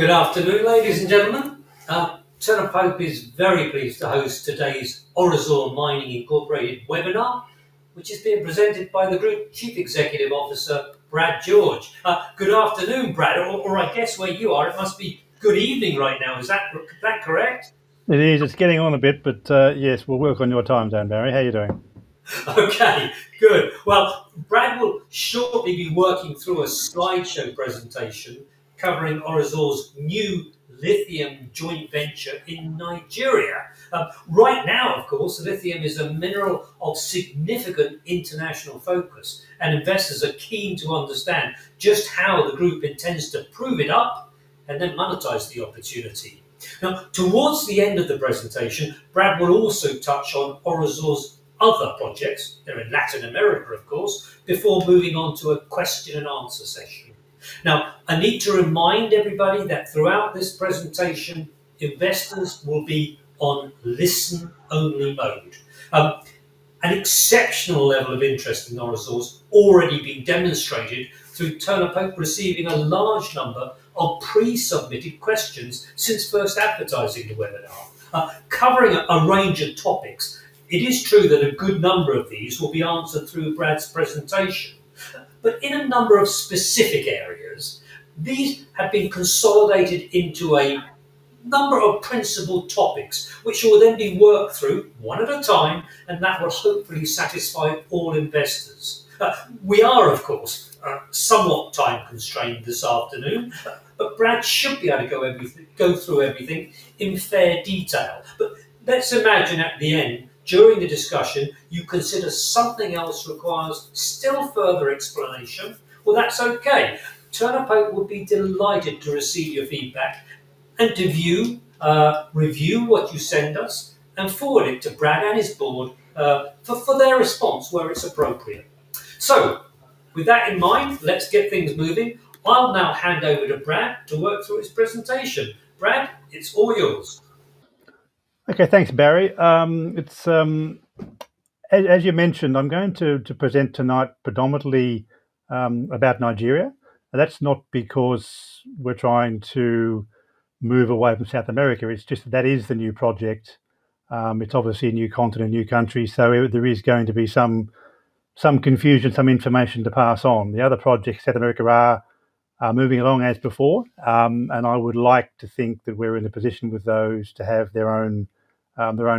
Good afternoon, ladies and gentlemen. Turner Pope is very pleased to host today's Orosur Mining Inc. webinar, which is being presented by the Group Chief Executive Officer, Brad George. Good afternoon, Brad, or I guess where you are, it must be good evening right now. Is that correct? It is. It's getting on a bit, but yes, we'll work on your time zone, Barry. How are you doing? Okay. Good. Well, Brad will shortly be working through a slideshow presentation covering Orosur's new lithium joint venture in Nigeria. Right now, of course, lithium is a mineral of significant international focus, and investors are keen to understand just how the group intends to prove it up and then monetize the opportunity. Now, towards the end of the presentation, Brad will also touch on Orosur's other projects, they're in Latin America, of course, before moving on to a question and answer session. Now, I need to remind everybody that throughout this presentation, investors will be on listen-only mode. An exceptional level of interest in Orosur's already been demonstrated through Turner Pope receiving a large number of pre-submitted questions since first advertising the webinar, covering a range of topics, it is true that a good number of these will be answered through Brad's presentation. In a number of specific areas, these have been consolidated into a number of principal topics, which will then be worked through one at a time, and that will hopefully satisfy all investors. We are, of course, somewhat time-constrained this afternoon, but Brad should be able to go through everything in fair detail. Let's imagine at the end, during the discussion, you consider something else requires still further explanation. Well, that's okay. Turner Pope will be delighted to receive your feedback and to view, review what you send us, and forward it to Brad and his board, for their response where it's appropriate. With that in mind, let's get things moving. I'll now hand over to Brad to work through his presentation. Brad, it's all yours. Okay. Thanks, Barry. It's as you mentioned, I'm going to present tonight predominantly about Nigeria. That's not because we're trying to move away from South America, it's just that is the new project. It's obviously a new continent, new country, so there is going to be some confusion, some information to pass on. The other projects in South America are moving along as before. I would like to think that we're in a position with those to have their own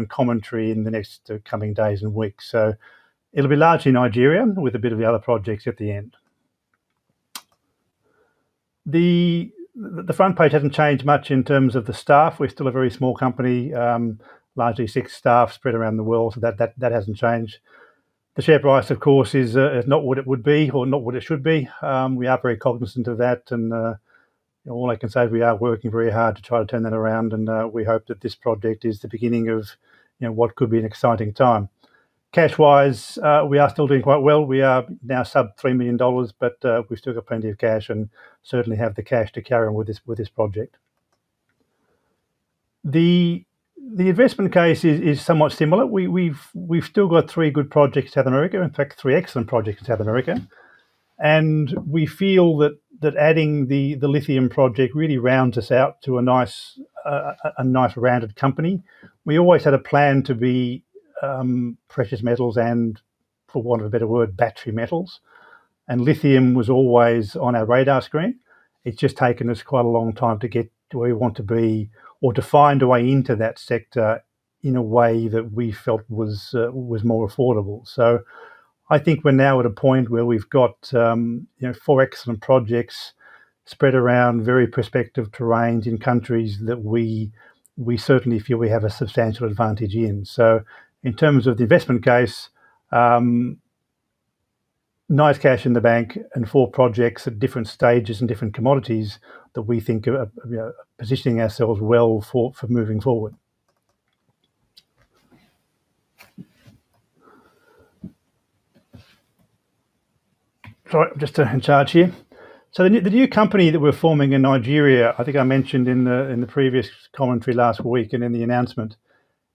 commentary in the next coming days and weeks. It'll be largely Nigeria with a bit of the other projects at the end. The front page hasn't changed much in terms of the staff. We're still a very small company, largely six staff spread around the world, so that hasn't changed. The share price, of course, is not what it would be or not what it should be. We are very cognizant of that and all I can say is we are working very hard to try to turn that around and we hope that this project is the beginning of, you know, what could be an exciting time. Cash-wise, we are still doing quite well. We are now sub $3 million, but we've still got plenty of cash and certainly have the cash to carry on with this, with this project. The investment case is somewhat similar. We've still got three good projects in South America. In fact, three excellent projects in South America. We feel that adding the lithium project really rounds us out to a nice rounded company. We always had a plan to be precious metals and, for want of a better word, battery metals, and lithium was always on our radar screen. It's just taken us quite a long time to get to where we want to be or to find a way into that sector in a way that we felt was more affordable. I think we're now at a point where we've got you know four excellent projects spread around very prospective terrains in countries that we certainly feel we have a substantial advantage in. In terms of the investment case, nice cash in the bank and four projects at different stages and different commodities that we think are you know positioning ourselves well for moving forward. Sorry, just a hand chart here. The new company that we're forming in Nigeria, I think I mentioned in the previous commentary last week and in the announcement,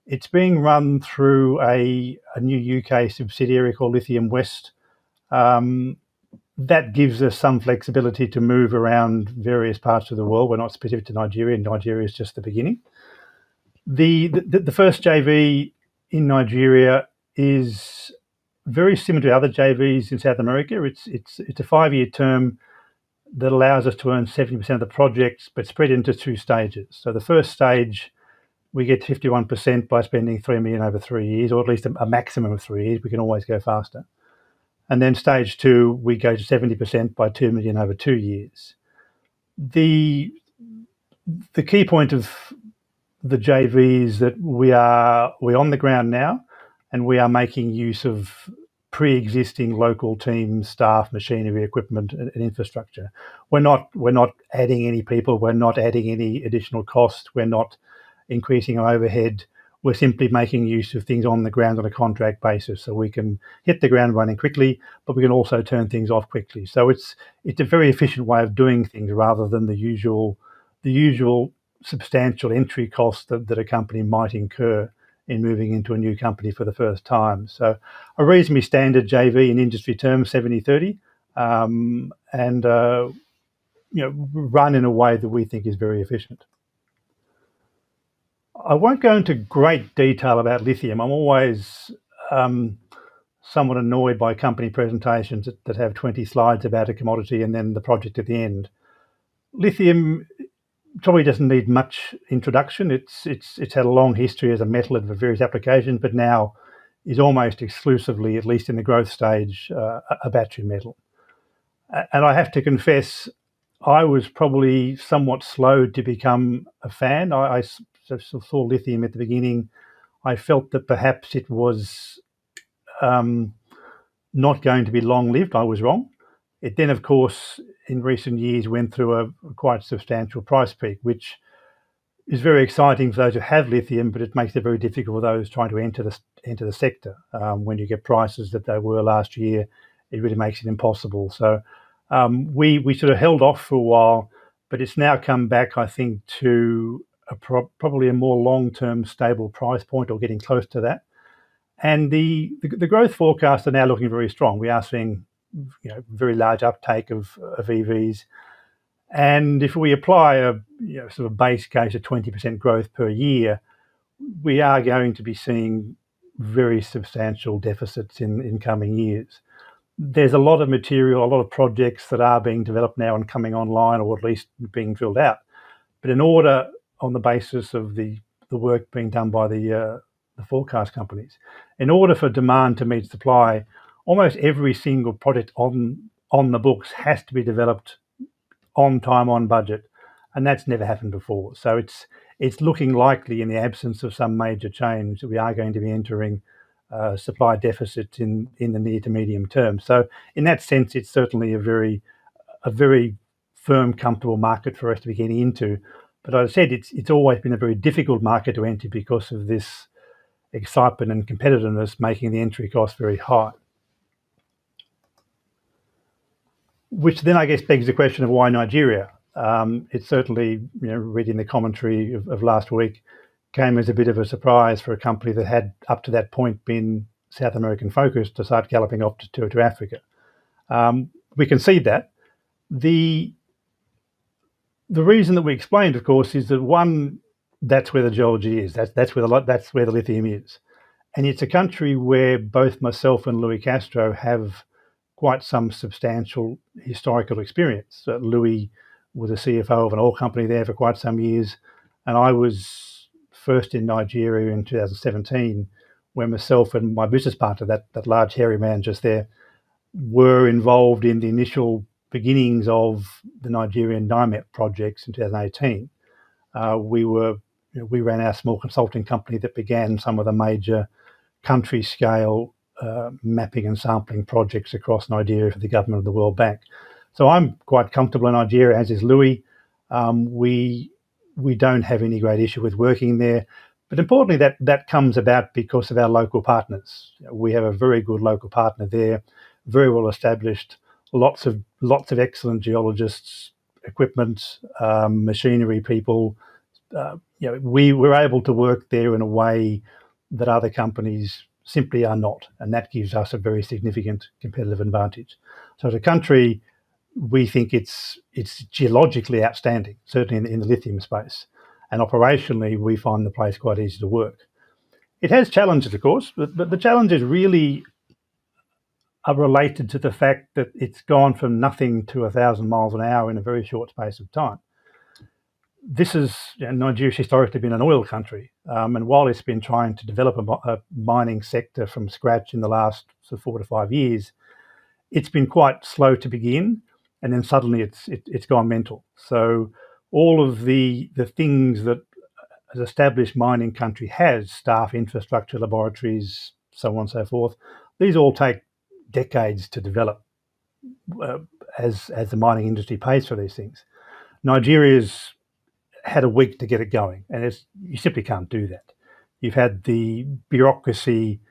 it's being run through a new U.K. subsidiary called Lithium West. That gives us some flexibility to move around various parts of the world. We're not specific to Nigeria. Nigeria is just the beginning. The first JV in Nigeria is very similar to other JVs in South America. It's a 5-year term that allows us to earn 70% of the projects, but spread into two stages. The first stage, we get 51% by spending $3 million over 3 years, or at least a maximum of 3 years. We can always go faster. Stage two, we go to 70% by $2 million over 2 years. The key point of the JV is that we're on the ground now and we are making use of pre-existing local team, staff, machinery, equipment, and infrastructure. We're not adding any people. We're not adding any additional cost. We're not increasing our overhead. We're simply making use of things on the ground on a contract basis, so we can hit the ground running quickly, but we can also turn things off quickly. It's a very efficient way of doing things rather than the usual substantial entry cost that a company might incur in moving into a new country for the first time. A reasonably standard JV in industry terms, 70-30. You know, run in a way that we think is very efficient. I won't go into great detail about Lithium. I'm always somewhat annoyed by company presentations that have 20 slides about a commodity and then the project at the end. Lithium probably doesn't need much introduction. It's had a long history as a metal and for various applications, but now is almost exclusively, at least in the growth stage, a battery metal. I have to confess, I was probably somewhat slow to become a fan. I saw lithium at the beginning. I felt that perhaps it was not going to be long-lived. I was wrong. It then, of course, in recent years, went through a quite substantial price peak, which is very exciting for those who have lithium, but it makes it very difficult for those trying to enter the sector. When you get prices that they were last year, it really makes it impossible. We sort of held off for a while, but it's now come back, I think, to probably a more long-term stable price point or getting close to that. The growth forecasts are now looking very strong. We are seeing you know very large uptake of EVs. If we apply a you know sort of base case of 20% growth per year, we are going to be seeing very substantial deficits in coming years. There's a lot of material, a lot of projects that are being developed now and coming online or at least being filled out. In order, on the basis of the work being done by the forecast companies, in order for demand to meet supply, almost every single product on the books has to be developed on time, on budget. That's never happened before. It's looking likely, in the absence of some major change, that we are going to be entering a supply deficit in the near to medium term. In that sense, it's certainly a very firm, comfortable market for us to be getting into. As I said, it's always been a very difficult market to enter because of this excitement and competitiveness making the entry cost very high. Which then I guess begs the question of why Nigeria? It certainly, you know, reading the commentary of last week, came as a bit of a surprise for a company that had up to that point been South American-focused to start galloping off to Africa. We concede that. The reason that we explained, of course, is that one, that's where the geology is. That's where the lithium is. And it's a country where both myself and Louis Castro have quite some substantial historical experience. Louis was a CFO of an oil company there for quite some years, and I was first in Nigeria in 2017 when myself and my business partner, that large hairy man just there, were involved in the initial beginnings of the Nigerian DIMET projects in 2018. You know, we ran our small consulting company that began some of the major country-scale mapping and sampling projects across Nigeria for the government of the World Bank. I'm quite comfortable in Nigeria, as is Louis. We don't have any great issue with working there. Importantly, that comes about because of our local partners. We have a very good local partner there, very well established, lots of excellent geologists, equipment, machinery people. You know, we're able to work there in a way that other companies simply are not, and that gives us a very significant competitive advantage. As a country, we think it's geologically outstanding, certainly in the lithium space. Operationally, we find the place quite easy to work. It has challenges, of course, but the challenges really are related to the fact that it's gone from nothing to a thousand miles an hour in a very short space of time. This is. Nigeria's historically been an oil country. While it's been trying to develop a mining sector from scratch in the last 4 to 5 years, it's been quite slow to begin, and then suddenly it's gone mental. All of the things that an established mining country has, staff, infrastructure, laboratories, so on and so forth, these all take decades to develop, as the mining industry pays for these things. Nigeria's had a week to get it going, and it's. You simply can't do that. You've had the bureaucracy,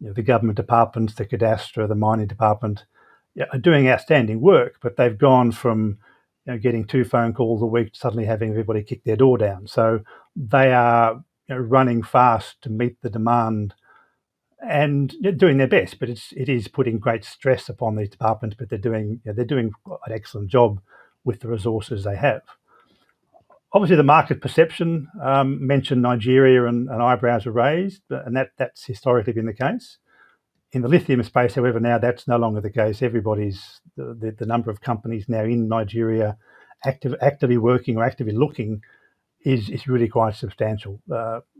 you know, the government departments, the cadastre, the mining department, doing outstanding work, but they've gone from, you know, getting two phone calls a week to suddenly having everybody kick their door down. They are, you know, running fast to meet the demand and they're doing their best, but it is putting great stress upon these departments. They're doing, you know, quite an excellent job with the resources they have. Obviously, the market perception, mention Nigeria and eyebrows are raised, and that's historically been the case. In the lithium space, however, now that's no longer the case. The number of companies now in Nigeria actively working or actively looking is really quite substantial.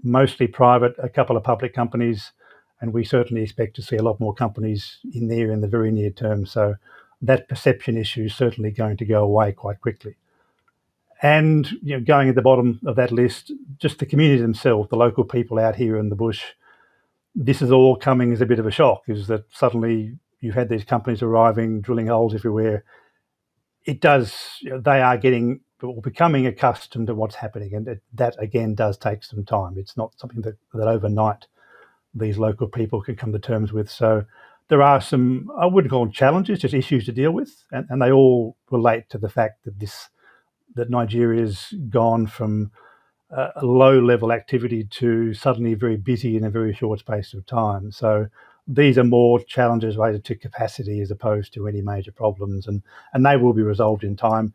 Mostly private, a couple of public companies, and we certainly expect to see a lot more companies in there in the very near term. That perception issue is certainly going to go away quite quickly. You know, going at the bottom of that list, just the communities themselves, the local people out here in the bush, this is all coming as a bit of a shock. It's that suddenly you had these companies arriving, drilling holes everywhere. It does. You know, they are getting or becoming accustomed to what's happening and that again does take some time. It's not something that overnight these local people could come to terms with. There are some, I wouldn't call them challenges, just issues to deal with. They all relate to the fact that Nigeria's gone from a low-level activity to suddenly very busy in a very short space of time. These are more challenges related to capacity as opposed to any major problems and they will be resolved in time.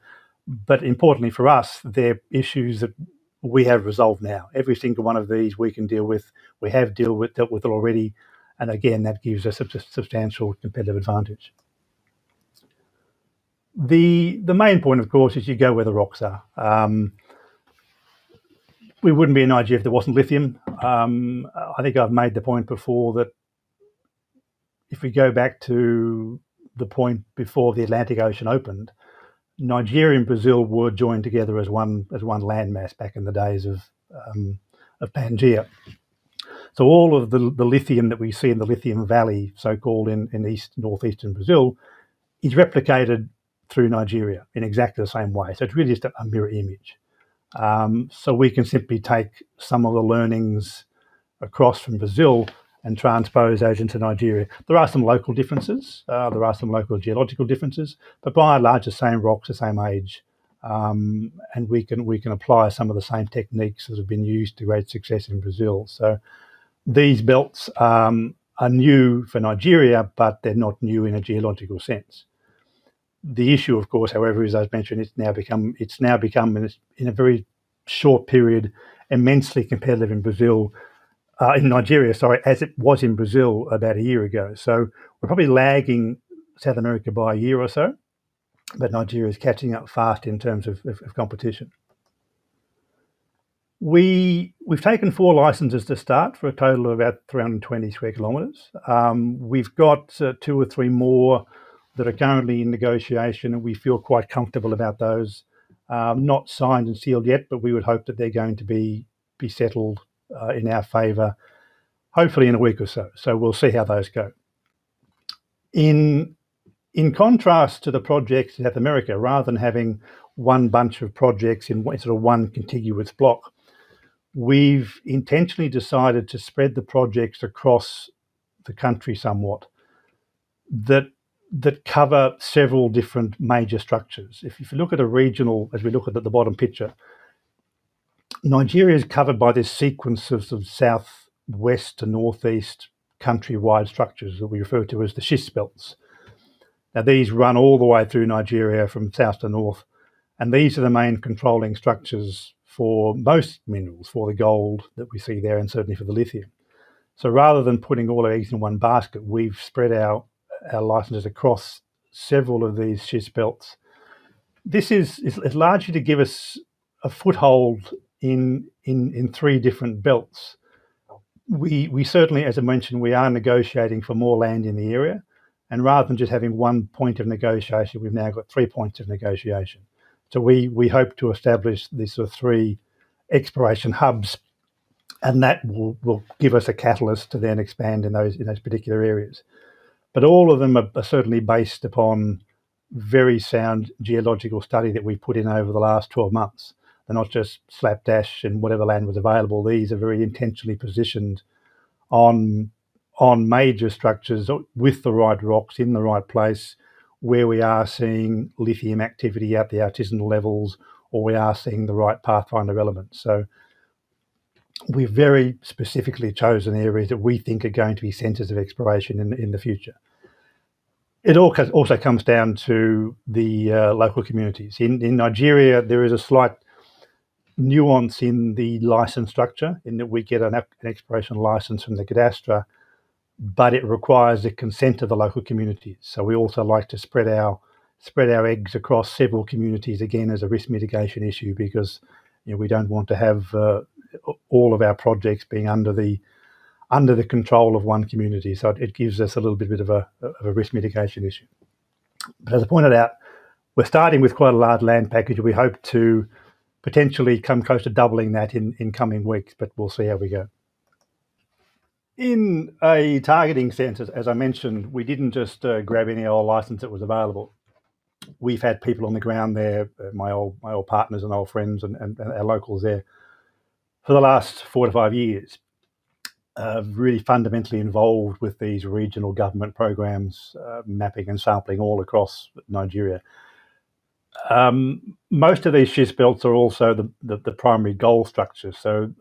Importantly for us, they're issues that we have resolved now. Every single one of these we can deal with. We have dealt with already, and again, that gives us a substantial competitive advantage. The main point, of course, is you go where the rocks are. We wouldn't be in Nigeria if there wasn't lithium. I think I've made the point before that if we go back to the point before the Atlantic Ocean opened, Nigeria and Brazil were joined together as one landmass back in the days of Pangaea. All of the lithium that we see in the Lithium Valley, so-called in east-northeastern Brazil, is replicated through Nigeria in exactly the same way. It really is just a mirror image. We can simply take some of the learnings across from Brazil and transpose those into Nigeria. There are some local differences. There are some local geological differences, but by and large, the same rocks, the same age. We can apply some of the same techniques that have been used to great success in Brazil. These belts are new for Nigeria, but they're not new in a geological sense. The issue, of course, however, as I've mentioned, it's now become in a very short period immensely competitive in Brazil, in Nigeria, sorry, as it was in Brazil about a year ago. We're probably lagging South America by a year or so, but Nigeria is catching up fast in terms of competition. We've taken four licenses to start for a total of about 320 sq km. We've got two or three more that are currently in negotiation, and we feel quite comfortable about those. Not signed and sealed yet, but we would hope that they're going to be settled in our favor, hopefully in a week or so. We'll see how those go. In contrast to the projects in South America, rather than having one bunch of projects in sort of one contiguous block, we've intentionally decided to spread the projects across the country somewhat that cover several different major structures. As we look at the bottom picture, Nigeria is covered by this sequence of sort of southwest to northeast countrywide structures that we refer to as the schist belts. Now, these run all the way through Nigeria from south to north, and these are the main controlling structures for most minerals, for the gold that we see there and certainly for the lithium. Rather than putting all our eggs in one basket, we've spread our licenses across several of these schist belts. This is largely to give us a foothold in three different belts. We certainly, as I mentioned, we are negotiating for more land in the area. Rather than just having one point of negotiation, we've now got three points of negotiation. We hope to establish these sort of three exploration hubs, and that will give us a catalyst to then expand in those particular areas. All of them are certainly based upon very sound geological study that we've put in over the last 12 months. They're not just slapdash and whatever land was available. These are very intentionally positioned on major structures with the right rocks in the right place where we are seeing lithium activity at the artisanal levels, or we are seeing the right pathfinder relevance. We've very specifically chosen areas that we think are going to be centers of exploration in the future. It also comes down to the local communities. In Nigeria, there is a slight nuance in the license structure in that we get an exploration license from the cadastre, but it requires the consent of the local community. We also like to spread our eggs across several communities, again, as a risk mitigation issue because, you know, we don't want to have all of our projects being under the control of one community. It gives us a little bit of a risk mitigation issue. As I pointed out, we're starting with quite a large land package, and we hope to potentially come close to doubling that in coming weeks, but we'll see how we go. In a targeting sense, as I mentioned, we didn't just grab any old license that was available. We've had people on the ground there, my old partners and old friends and locals there for the last 4 to 5 years. Really fundamentally involved with these regional government programs, mapping and sampling all across Nigeria. Most of these schist belts are also the primary gold structure.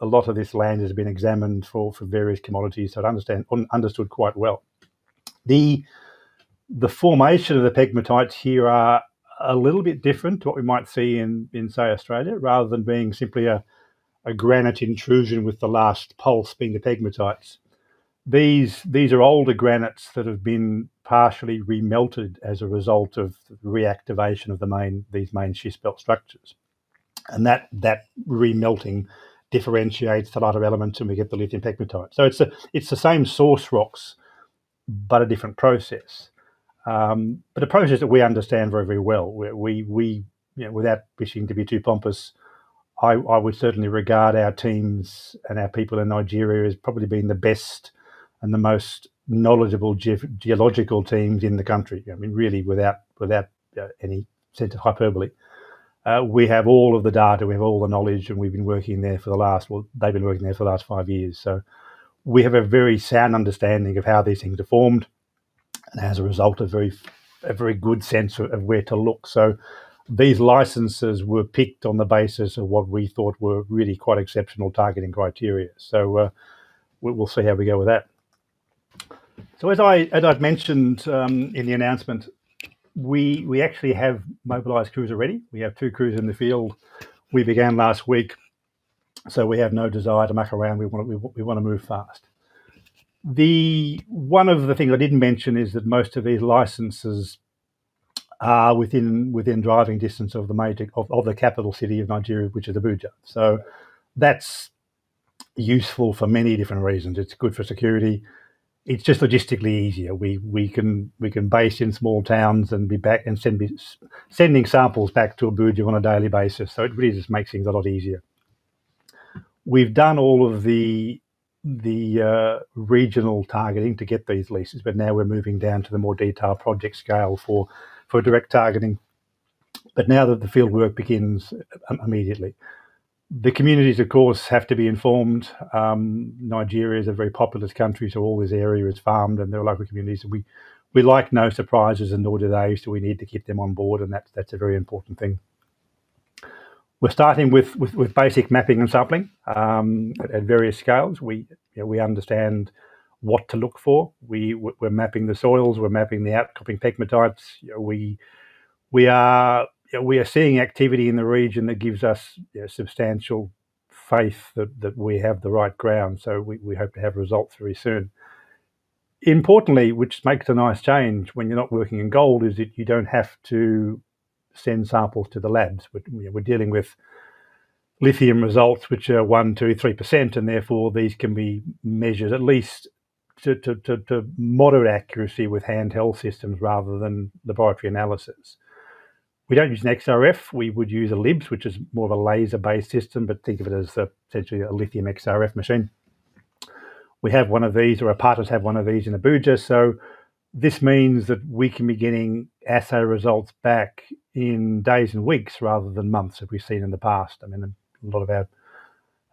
A lot of this land has been examined for various commodities, understood quite well. The formation of the pegmatites here are a little bit different to what we might see in, say, Australia. Rather than being simply a granite intrusion with the last pulse being the pegmatites, these are older granites that have been partially remelted as a result of reactivation of these main schist belt structures. That remelting differentiates a lot of elements, and we get the lithium pegmatite. It's the same source rocks but a different process. But a process that we understand very, very well. We, you know, without wishing to be too pompous, I would certainly regard our teams and our people in Nigeria as probably being the best and the most knowledgeable geological teams in the country. I mean, really, without any sense of hyperbole. We have all of the data, we have all the knowledge, and we've been working there for the last. Well, they've been working there for the last five years. We have a very sound understanding of how these things are formed and as a result, a very good sense of where to look. These licenses were picked on the basis of what we thought were really quite exceptional targeting criteria. We will see how we go with that. As I, as I've mentioned, in the announcement, we actually have mobilized crews already. We have two crews in the field. We began last week, so we have no desire to muck around. We want to move fast. One of the things I didn't mention is that most of these licenses are within driving distance of the capital city of Nigeria, which is Abuja. That's useful for many different reasons. It's good for security. It's just logistically easier. We can base in small towns and be back and sending samples back to Abuja on a daily basis. It really just makes things a lot easier. We've done all of the regional targeting to get these leases, but now we're moving down to the more detailed project scale for direct targeting. Now that the field work begins immediately. The communities, of course, have to be informed. Nigeria is a very populous country, so all this area is farmed and there are local communities. We like no surprises and nor do they, so we need to keep them on board and that's a very important thing. We're starting with basic mapping and sampling at various scales. You know, we understand what to look for. We're mapping the soils, we're mapping the outcropping pegmatites. You know, we are seeing activity in the region that gives us, you know, substantial faith that we have the right ground. We hope to have results very soon. Importantly, which makes a nice change when you're not working in gold, is that you don't have to send samples to the labs. You know, we're dealing with lithium results which are 1, 2, 3%, and therefore, these can be measured at least to moderate accuracy with handheld systems rather than laboratory analysis. We don't use an XRF. We would use a LIBS, which is more of a laser-based system, but think of it as potentially a lithium XRF machine. We have one of these, or our partners have one of these in Abuja. This means that we can be getting assay results back in days and weeks rather than months like we've seen in the past. I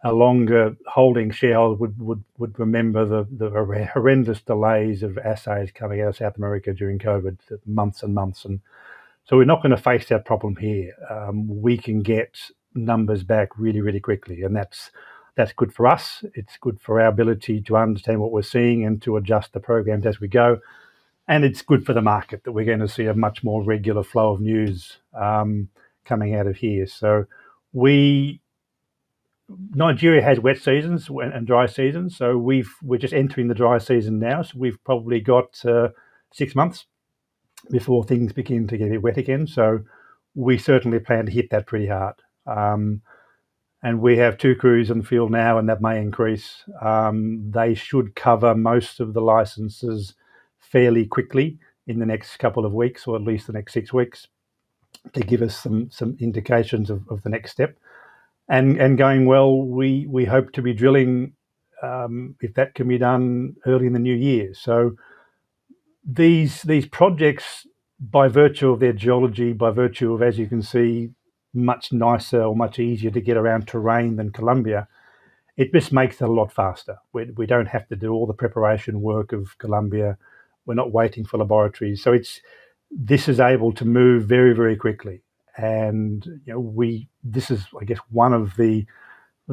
mean, a lot of our longer holding shareholders would remember the horrendous delays of assays coming out of South America during COVID. Months and months. We're not going to face that problem here. We can get numbers back really quickly, and that's good for us. It's good for our ability to understand what we're seeing and to adjust the programs as we go. It's good for the market that we're going to see a much more regular flow of news coming out of here. Nigeria has wet seasons and dry seasons, so we're just entering the dry season now. We've probably got six months before things begin to get wet again. We certainly plan to hit that pretty hard. We have two crews in the field now, and that may increase. They should cover most of the licenses fairly quickly in the next couple of weeks, or at least the next six weeks, to give us some indications of the next step. Going well, we hope to be drilling, if that can be done early in the new year. These projects, by virtue of their geology, as you can see, much nicer or much easier to get around terrain than Colombia, it just makes it a lot faster. We don't have to do all the preparation work of Colombia. We're not waiting for laboratories. This is able to move very, very quickly. You know, this is, I guess, one of the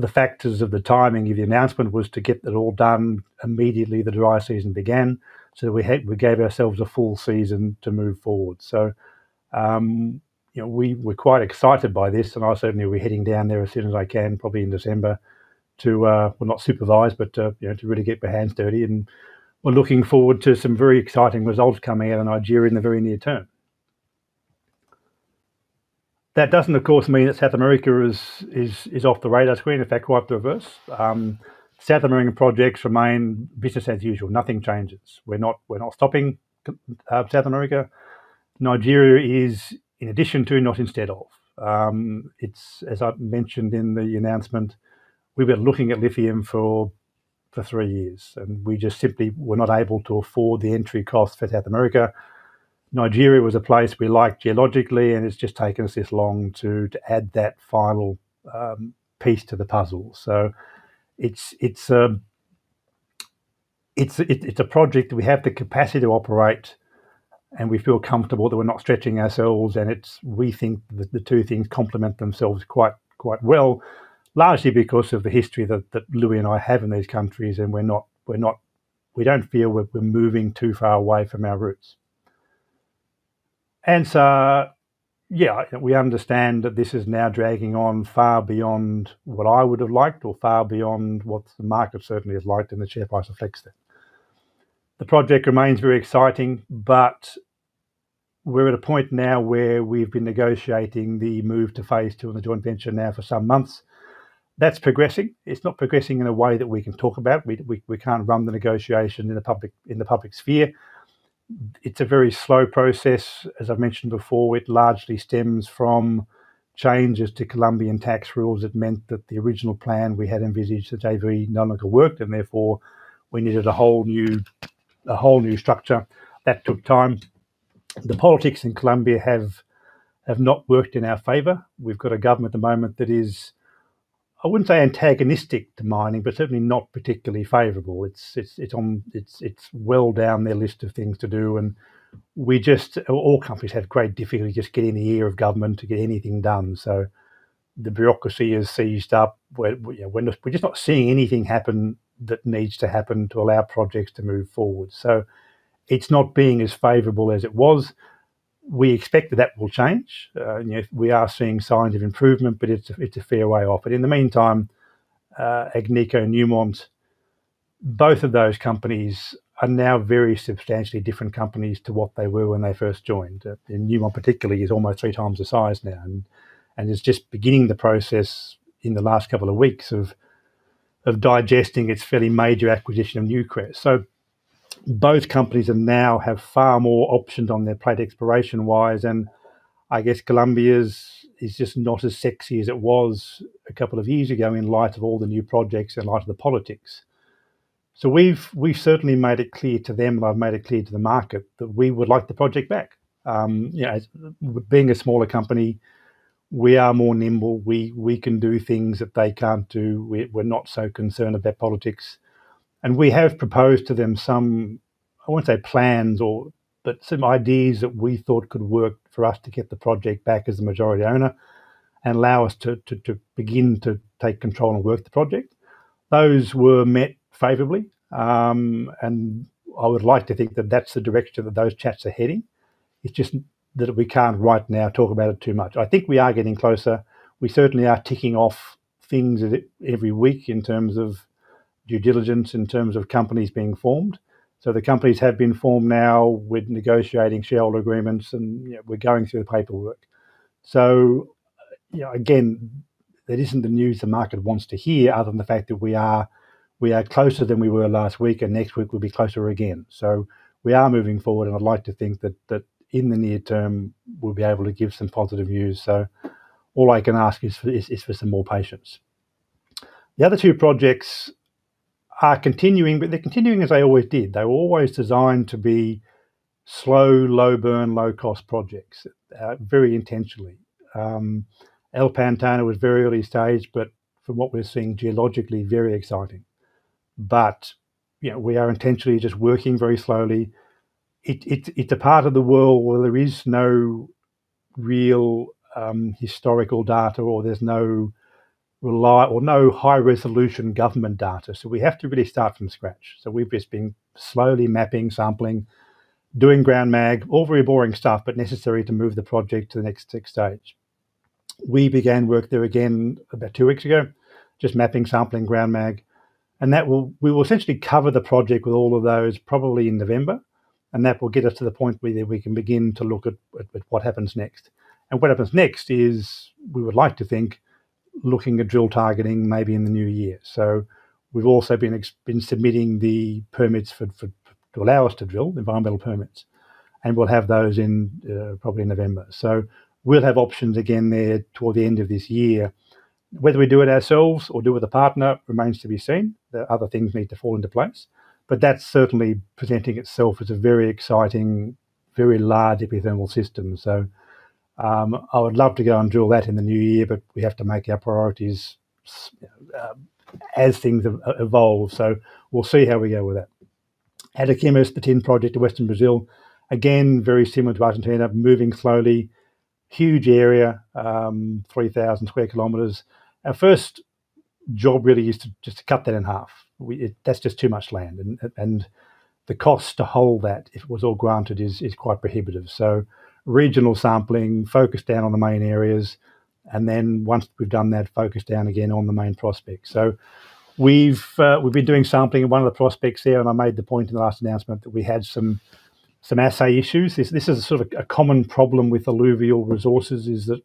factors of the timing of the announcement was to get it all done immediately the dry season began. We gave ourselves a full season to move forward. You know, we're quite excited by this and I certainly will be heading down there as soon as I can, probably in December to, well, not supervise, but, you know, to really get my hands dirty and we're looking forward to some very exciting results coming out of Nigeria in the very near term. That doesn't of course mean that South America is off the radar screen. In fact, quite the reverse. South American projects remain business as usual. Nothing changes. We're not stopping South America. Nigeria is in addition to, not instead of. It's as I mentioned in the announcement, we've been looking at lithium for three years and we just simply were not able to afford the entry cost for South America. Nigeria was a place we like geologically and it's just taken us this long to add that final piece to the puzzle. It's a project that we have the capacity to operate and we feel comfortable that we're not stretching ourselves, and we think that the two things complement themselves quite well. Largely because of the history that Louis and I have in these countries and we're not. We don't feel we're moving too far away from our roots. Yeah, we understand that this is now dragging on far beyond what I would have liked or far beyond what the market certainly has liked and the share price reflects that. The project remains very exciting, but we're at a point now where we've been negotiating the move to phase two on the joint venture now for some months. That's progressing. It's not progressing in a way that we can talk about. We can't run the negotiation in the public sphere. It's a very slow process. As I've mentioned before, it largely stems from changes to Colombian tax rules that meant that the original plan we had envisaged at Anzá no longer worked and therefore we needed a whole new structure. That took time. The politics in Colombia have not worked in our favor. We've got a government at the moment that is, I wouldn't say antagonistic to mining, but certainly not particularly favorable. It's well down their list of things to do and all companies have great difficulty just getting any government to get anything done. The bureaucracy has seized up where, you know, we're just not seeing anything happen that needs to happen to allow projects to move forward. It's not being as favorable as it was. We expect that will change, and yet we are seeing signs of improvement, but it's a fair way off. In the meantime, Agnico and Newmont, both of those companies are now very substantially different companies to what they were when they first joined. Newmont particularly is almost three times the size now and is just beginning the process in the last couple of weeks of digesting its fairly major acquisition of Newcrest. Both companies now have far more options on their plate exploration-wise, and I guess Colombia's is just not as sexy as it was a couple of years ago in light of all the new projects, in light of the politics. We've certainly made it clear to them, and I've made it clear to the market that we would like the project back. Being a smaller company, we are more nimble. We can do things that they can't do. We're not so concerned about politics. We have proposed to them some. I won't say plans or Some ideas that we thought could work for us to get the project back as the majority owner and allow us to begin to take control and work the project. Those were met favorably. I would like to think that that's the direction that those chats are heading. It's just that we can't right now talk about it too much. I think we are getting closer. We certainly are ticking off things every week in terms of due diligence, in terms of companies being formed. The companies have been formed now. We're negotiating shareholder agreements and, you know, we're going through the paperwork. You know, again, that isn't the news the market wants to hear other than the fact that we are closer than we were last week and next week we'll be closer again. We are moving forward, and I'd like to think that in the near term we'll be able to give some positive news. All I can ask is for some more patience. The other two projects are continuing, but they're continuing as they always did. They were always designed to be slow, low burn, low cost projects, very intentionally. El Pantano was very early stage but from what we're seeing geologically, very exciting. You know, we are intentionally just working very slowly. It's a part of the world where there is no real historical data or there's no high-resolution government data, so we have to really start from scratch. We've just been slowly mapping, sampling, doing ground mag, all very boring stuff, but necessary to move the project to the next stage. We began work there again about two weeks ago, just mapping, sampling, ground mag, and we will essentially cover the project with all of those probably in November, and that will get us to the point where then we can begin to look at what happens next. What happens next is, we would like to think, looking at drill targeting maybe in the new year. We've also been submitting the permits for to allow us to drill, environmental permits, and we'll have those in probably November. We'll have options again there toward the end of this year. Whether we do it ourselves or do it with a partner remains to be seen. There are other things need to fall into place. That's certainly presenting itself as a very exciting, very large epithermal system. I would love to go and drill that in the new year, but we have to make our priorities as things evolve. We'll see how we go with that. Ariquemes is the tin project in western Brazil. Again, very similar to Argentina, moving slowly. Huge area, 3,000 square kilometers. Our first job really is to just cut that in half. That's just too much land and the cost to hold that if it was all granted is quite prohibitive. Regional sampling, focus down on the main areas, and then once we've done that, focus down again on the main prospect. We've been doing sampling at one of the prospects there, and I made the point in the last announcement that we had some assay issues. This is sort of a common problem with alluvial resources, that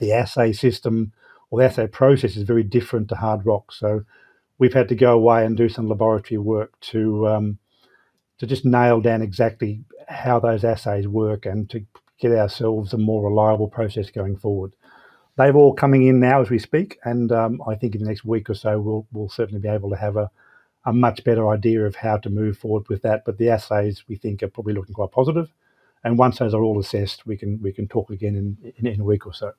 the assay system or the assay process is very different to hard rock. We've had to go away and do some laboratory work to just nail down exactly how those assays work and to get ourselves a more reliable process going forward. They're all coming in now as we speak and I think in the next week or so we'll certainly be able to have a much better idea of how to move forward with that. The assays, we think, are probably looking quite positive. Once those are all assessed, we can talk again in a week or so.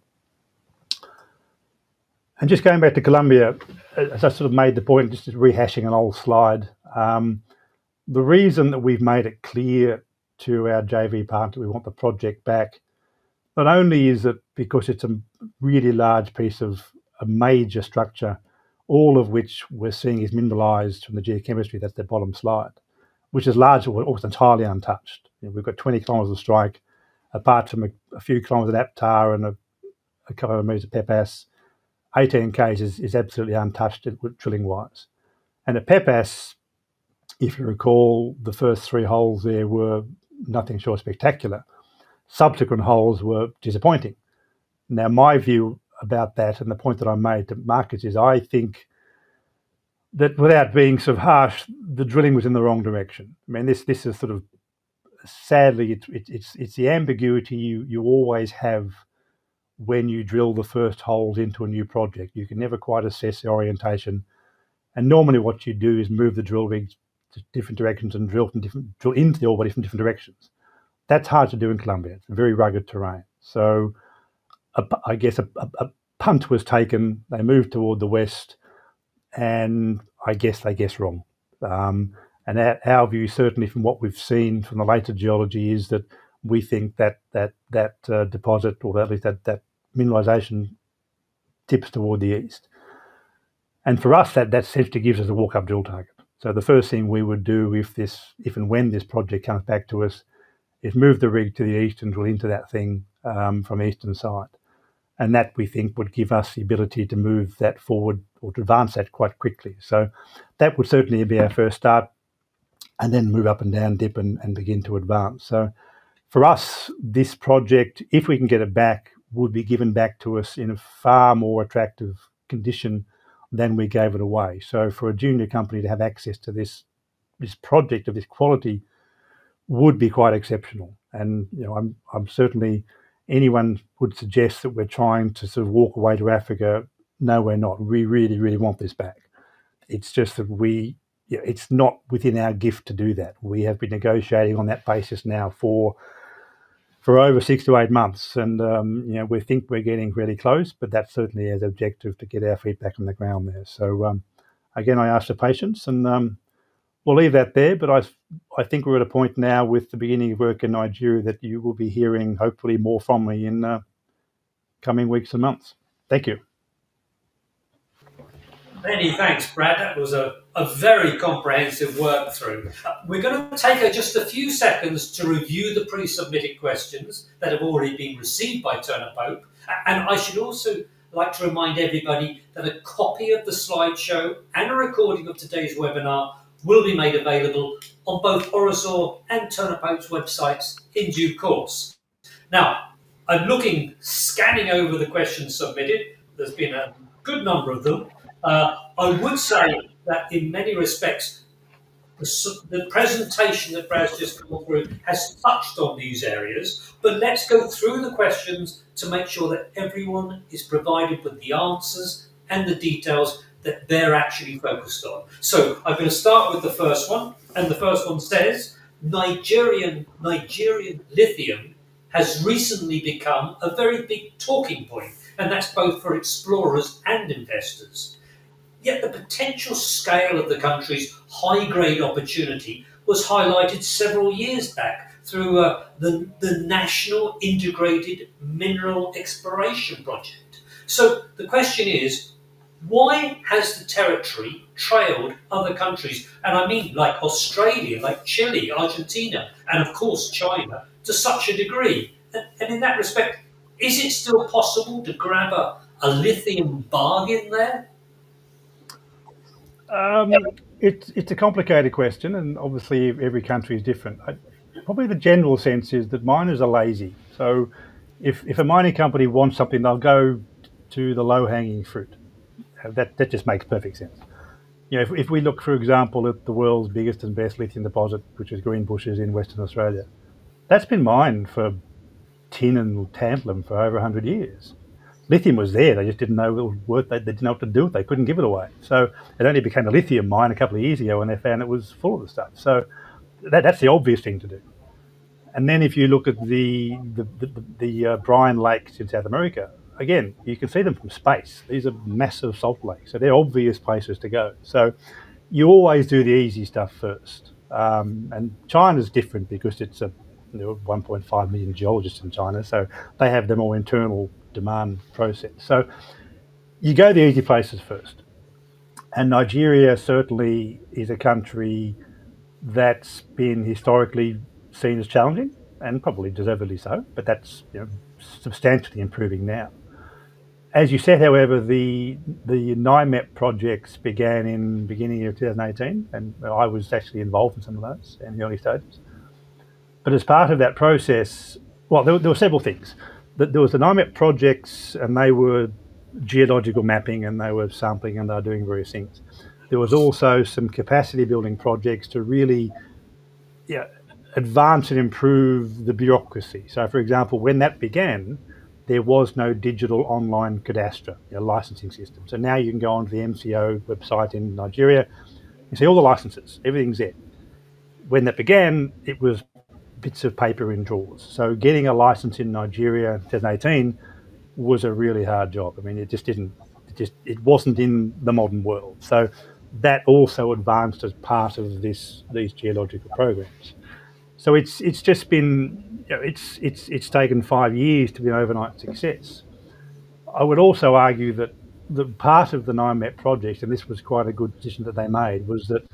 Just going back to Colombia, as I sort of made the point, just rehashing an old slide. The reason that we've made it clear to our JV partner we want the project back, not only is it because it's a really large piece of a major structure, all of which we're seeing is mineralized from the geochemistry. That's the bottom slide, which is large but entirely untouched. You know, we've got 20 kilometers of strike. Apart from a few kilometers of Anzá and a couple of meters of Pepas, 18 km is absolutely untouched drilling-wise. At Pepas, if you recall, the first 3 holes there were nothing short of spectacular. Subsequent holes were disappointing. Now, my view about that and the point that I made to the market is I think that without being sort of harsh, the drilling was in the wrong direction. I mean, this is sort of. Sadly, it's the ambiguity you always have when you drill the first holes into a new project. You can never quite assess the orientation. Normally what you do is move the drill rigs to different directions and drill into the ore body from different directions. That's hard to do in Colombia. It's a very rugged terrain. I guess a punt was taken. They moved toward the west. I guess they guessed wrong. Our view, certainly from what we've seen from the later geology, is that we think that deposit or at least that mineralization tips toward the east. For us, that simply gives us a walk-up drill target. The first thing we would do if this... If and when this project comes back to us, is to move the rig to the east and drill into that thing from the eastern side. That we think would give us the ability to move that forward or to advance that quite quickly. That would certainly be our first start, and then move up and down dip and begin to advance. For us, this project, if we can get it back, would be given back to us in a far more attractive condition than we gave it away. For a junior company to have access to this project of this quality would be quite exceptional. You know, I'm certainly anyone would suggest that we're trying to sort of walk away to Africa. No, we're not. We really want this back. It's just that we You know, it's not within our gift to do that. We have been negotiating on that basis now for over 6-8 months. You know, we think we're getting really close, but that certainly is objective to get our feet back on the ground there. Again, I ask for patience and we'll leave that there. I think we're at a point now with the beginning of work in Nigeria that you will be hearing hopefully more from me in the coming weeks and months. Thank you. Many thanks, Brad. That was a very comprehensive work-through. We're gonna take just a few seconds to review the pre-submitted questions that have already been received by Turner Pope. I should also like to remind everybody that a copy of the slideshow and a recording of today's webinar will be made available on both Orosur and Turner Pope's websites in due course. Now, I'm looking, scanning over the questions submitted. There's been a good number of them. I would say that in many respects, the presentation that Brad's just gone through has touched on these areas. Let's go through the questions to make sure that everyone is provided with the answers and the details that they're actually focused on. I'm gonna start with the first one, and the first one says, "Nigerian lithium has recently become a very big talking point, and that's both for explorers and investors. Yet the potential scale of the country's high-grade opportunity was highlighted several years back through the National Integrated Mineral Exploration Project." The question is, why has the territory trailed other countries, and I mean like Australia, like Chile, Argentina, and of course China, to such a degree? And in that respect, is it still possible to grab a lithium bargain there? It's a complicated question, and obviously every country is different. I probably the general sense is that miners are lazy. If a mining company wants something, they'll go to the low-hanging fruit. That just makes perfect sense. You know, if we look, for example, at the world's biggest and best lithium deposit, which is Greenbushes in Western Australia, that's been mined for tin and tantalum for over 100 years. Lithium was there. They just didn't know what to do with it. They couldn't give it away. It only became a lithium mine a couple of years ago when they found it was full of the stuff. That's the obvious thing to do. If you look at the brine lakes in South America, again, you can see them from space. These are massive salt lakes. They're obvious places to go. You always do the easy stuff first. China's different because there are 1.5 million geologists in China, so they have the more internal demand process. You go to the easy places first. Nigeria certainly is a country that's been historically seen as challenging, and probably deservedly so. That's, you know, substantially improving now. As you said, however, the NIMEP projects began in the beginning of 2018, and I was actually involved in some of those in the early stages. As part of that process, well, there were several things. There was the NIMEP projects, and they were geological mapping, and they were sampling, and they were doing various things. There was also some capacity-building projects to really, you know, advance and improve the bureaucracy. For example, when that began, there was no digital online cadastre, you know, licensing system. Now you can go onto the MCO website in Nigeria and see all the licenses. Everything's there. When that began, it was bits of paper in drawers. Getting a license in Nigeria in 2018 was a really hard job. I mean, it just wasn't in the modern world. That also advanced as part of this, these geological programs. It's just been, you know, it's taken 5 years to be an overnight success. I would also argue that the part of the NIMEP project, and this was quite a good decision that they made, was that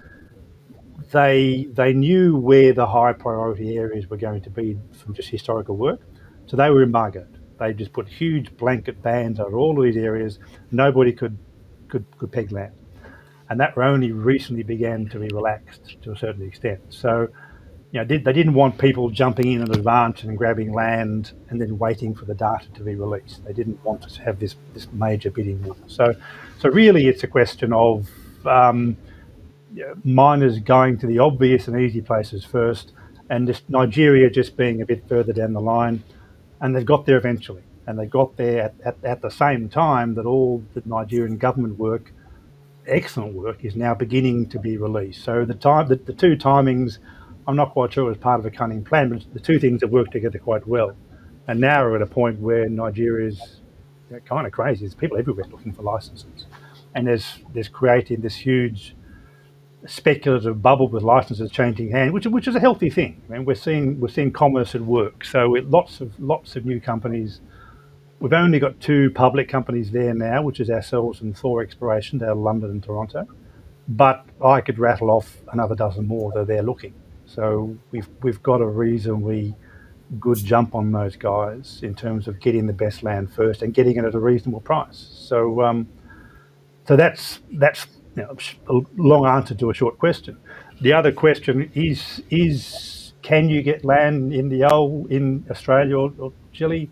they knew where the high-priority areas were going to be from just historical work. They were embargoed. They just put huge blanket bans over all these areas. Nobody could peg that. That only recently began to be relaxed to a certain extent. You know, they didn't want people jumping in and advancing and grabbing land and then waiting for the data to be released. They didn't want to have this major bidding war. Really it's a question of, you know, miners going to the obvious and easy places first, and just Nigeria being a bit further down the line, and they've got there eventually. They got there at the same time that all the Nigerian government work, excellent work, is now beginning to be released. The time... The two timings, I'm not quite sure it was part of a cunning plan, but the two things have worked together quite well. Now we're at a point where Nigeria's kind of crazy. There's people everywhere looking for licenses, and there's created this huge speculative bubble with licenses changing hands, which is a healthy thing. I mean, we're seeing commerce at work. We've lots of new companies. We've only got two public companies there now, which is ourselves and Thor Explorations. They're London and Toronto. But I could rattle off another dozen more that are there looking. We've got a reasonably good jump on those guys in terms of getting the best land first and getting it at a reasonable price. That's, you know, a long answer to a short question. The other question is, can you get land in Australia or Chile?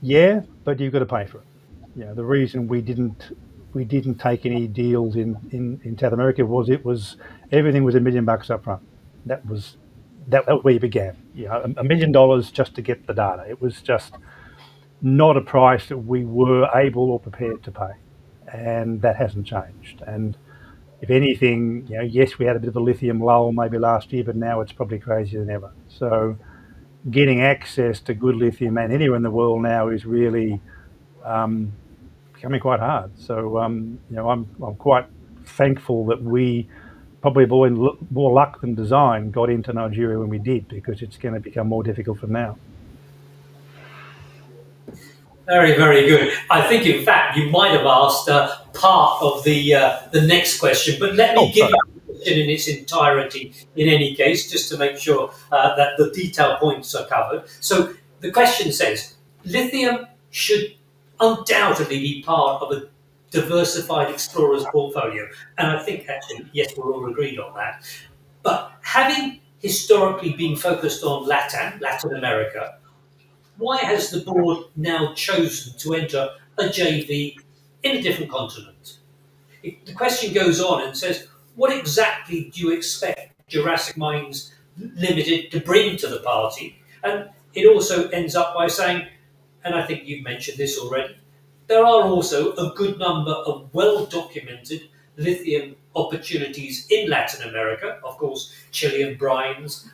Yeah, but you've got to pay for it. You know, the reason we didn't take any deals in South America was everything was $1 million up front. That was where we began. You know, $1 million just to get the data. It was just not a price that we were able or prepared to pay, and that hasn't changed. If anything, you know, yes, we had a bit of a lithium lull maybe last year, but now it's probably crazier than ever. Getting access to good lithium anywhere in the world now is really becoming quite hard. You know, I'm quite thankful that we probably more luck than design got into Nigeria when we did, because it's gonna become more difficult from now. Very, very good. I think, in fact, you might have asked part of the next question. Oh, sorry. Let me give it in its entirety in any case, just to make sure that the detail points are covered. The question says, "Lithium should undoubtedly be part of a diversified explorer's portfolio." I think actually, yes, we're all agreed on that. "But having historically been focused on LATAM, Latin America, why has the board now chosen to enter a JV in a different continent?" The question goes on and says, "What exactly do you expect Jurassic Mines Ltd to bring to the party?" It also ends up by saying, and I think you've mentioned this already, "There are also a good number of well-documented lithium opportunities in Latin America," of course, Chilean brines,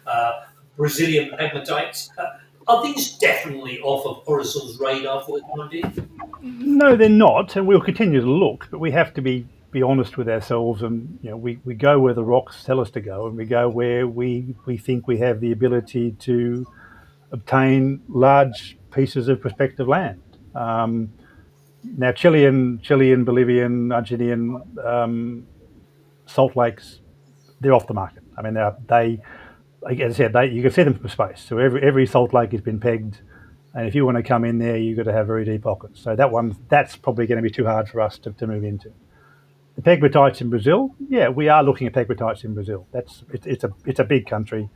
Brazilian pegmatites. Are these definitely off of Orosur's radar for the time being? No, they're not, and we'll continue to look. We have to be honest with ourselves and, you know, we go where the rocks tell us to go, and we go where we think we have the ability to obtain large pieces of prospective land. Now Chilean, Bolivian, Argentinian salt lakes, they're off the market. I mean, they are. They, like I said, you can see them from space. Every salt lake has been pegged. If you want to come in there, you've got to have very deep pockets. That one, that's probably gonna be too hard for us to move into. The pegmatites in Brazil? Yeah, we are looking at pegmatites in Brazil. That's. It's a big country.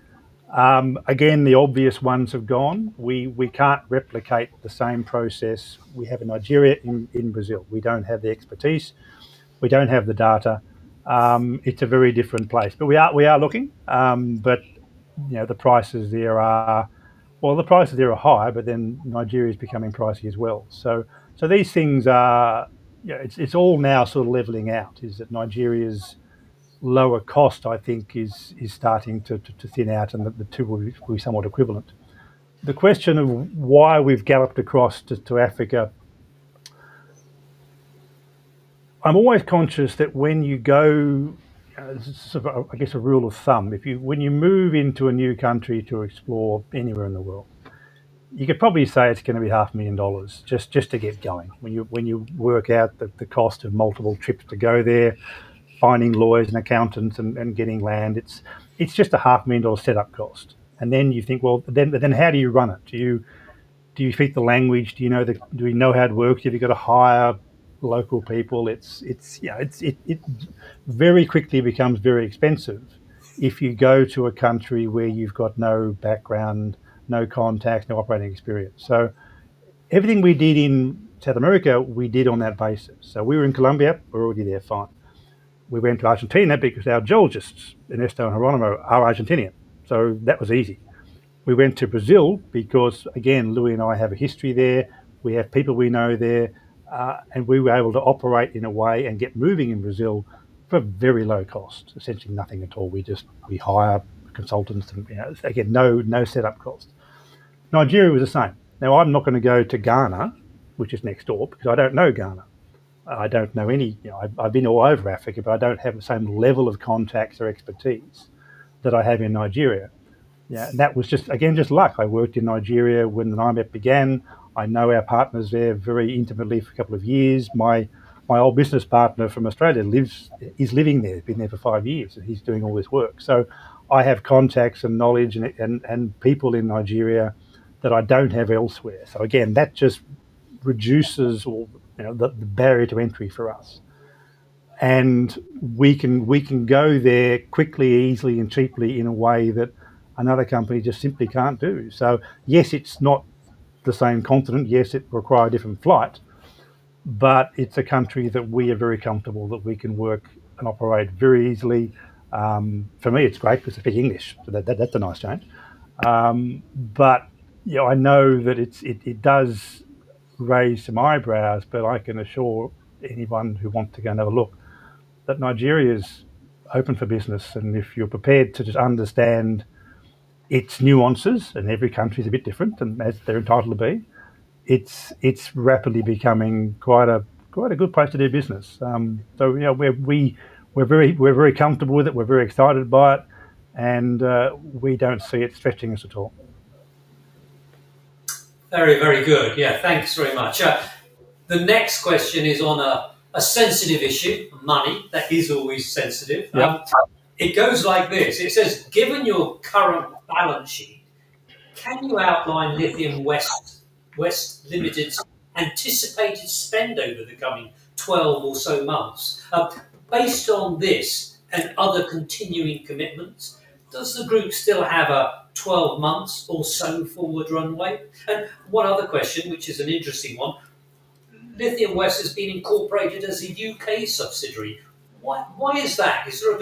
Again, the obvious ones have gone. We can't replicate the same process we have in Nigeria in Brazil. We don't have the expertise. We don't have the data. It's a very different place. We are looking, but you know, the prices there are. Well, the prices there are high, but then Nigeria's becoming pricey as well. These things are. You know, it's all now sort of leveling out, is that Nigeria's lower cost, I think, is starting to thin out and that the two will be somewhat equivalent. The question of why we've galloped across to Africa, I'm always conscious that when you go, this is, I guess, a rule of thumb. If you When you move into a new country to explore anywhere in the world, you could probably say it's gonna be half a million dollars just to get going. When you work out the cost of multiple trips to go there, finding lawyers and accountants and getting land, it's just a half million dollar setup cost. Then you think, "Well, then how do you run it? Do you speak the language? Do you know how it works? Have you got to hire local people?" It's you know it very quickly becomes very expensive if you go to a country where you've got no background, no contacts, no operating experience. Everything we did in South America, we did on that basis. We were in Colombia. We're already there, fine. We went to Argentina because our geologists, Ernesto and Jeronimo, are Argentinian, so that was easy. We went to Brazil because, again, Louis and I have a history there. We have people we know there, and we were able to operate in a way and get moving in Brazil for very low cost, essentially nothing at all. We just hire consultants and, you know. Again, no setup cost. Nigeria was the same. Now, I'm not gonna go to Ghana, which is next door, because I don't know Ghana. I don't know any. You know, I've been all over Africa, but I don't have the same level of contacts or expertise that I have in Nigeria. You know, and that was again, just luck. I worked in Nigeria when the NIMEP began. I know our partners there very intimately for a couple of years. My old business partner from Australia is living there. He's been there for five years, and he's doing all this work. I have contacts and knowledge and people in Nigeria that I don't have elsewhere. Again, that just reduces all, you know, the barrier to entry for us. We can go there quickly, easily, and cheaply in a way that another company just simply can't do. Yes, it's not the same continent. Yes, it will require a different flight. It's a country that we are very comfortable that we can work and operate very easily. For me, it's great because they speak English. That's a nice change. You know, I know that it's, it does raise some eyebrows. I can assure anyone who want to go and have a look that Nigeria's open for business, and if you're prepared to just understand its nuances, and every country's a bit different and as they're entitled to be, it's rapidly becoming quite a good place to do business. You know, we're very comfortable with it. We're very excited by it, and we don't see it threatening us at all. Very, very good. Yeah. Thanks very much. The next question is on a sensitive issue, money. That is always sensitive. Yeah. It goes like this. It says, "Given your current balance sheet, can you outline Lithium West Limited's anticipated spend over the coming 12 or so months? Based on this and other continuing commitments, does the group still have a 12-month or so forward runway?" One other question, which is an interesting one. "Lithium West has been incorporated as a U.K. subsidiary. Why is that? Is there a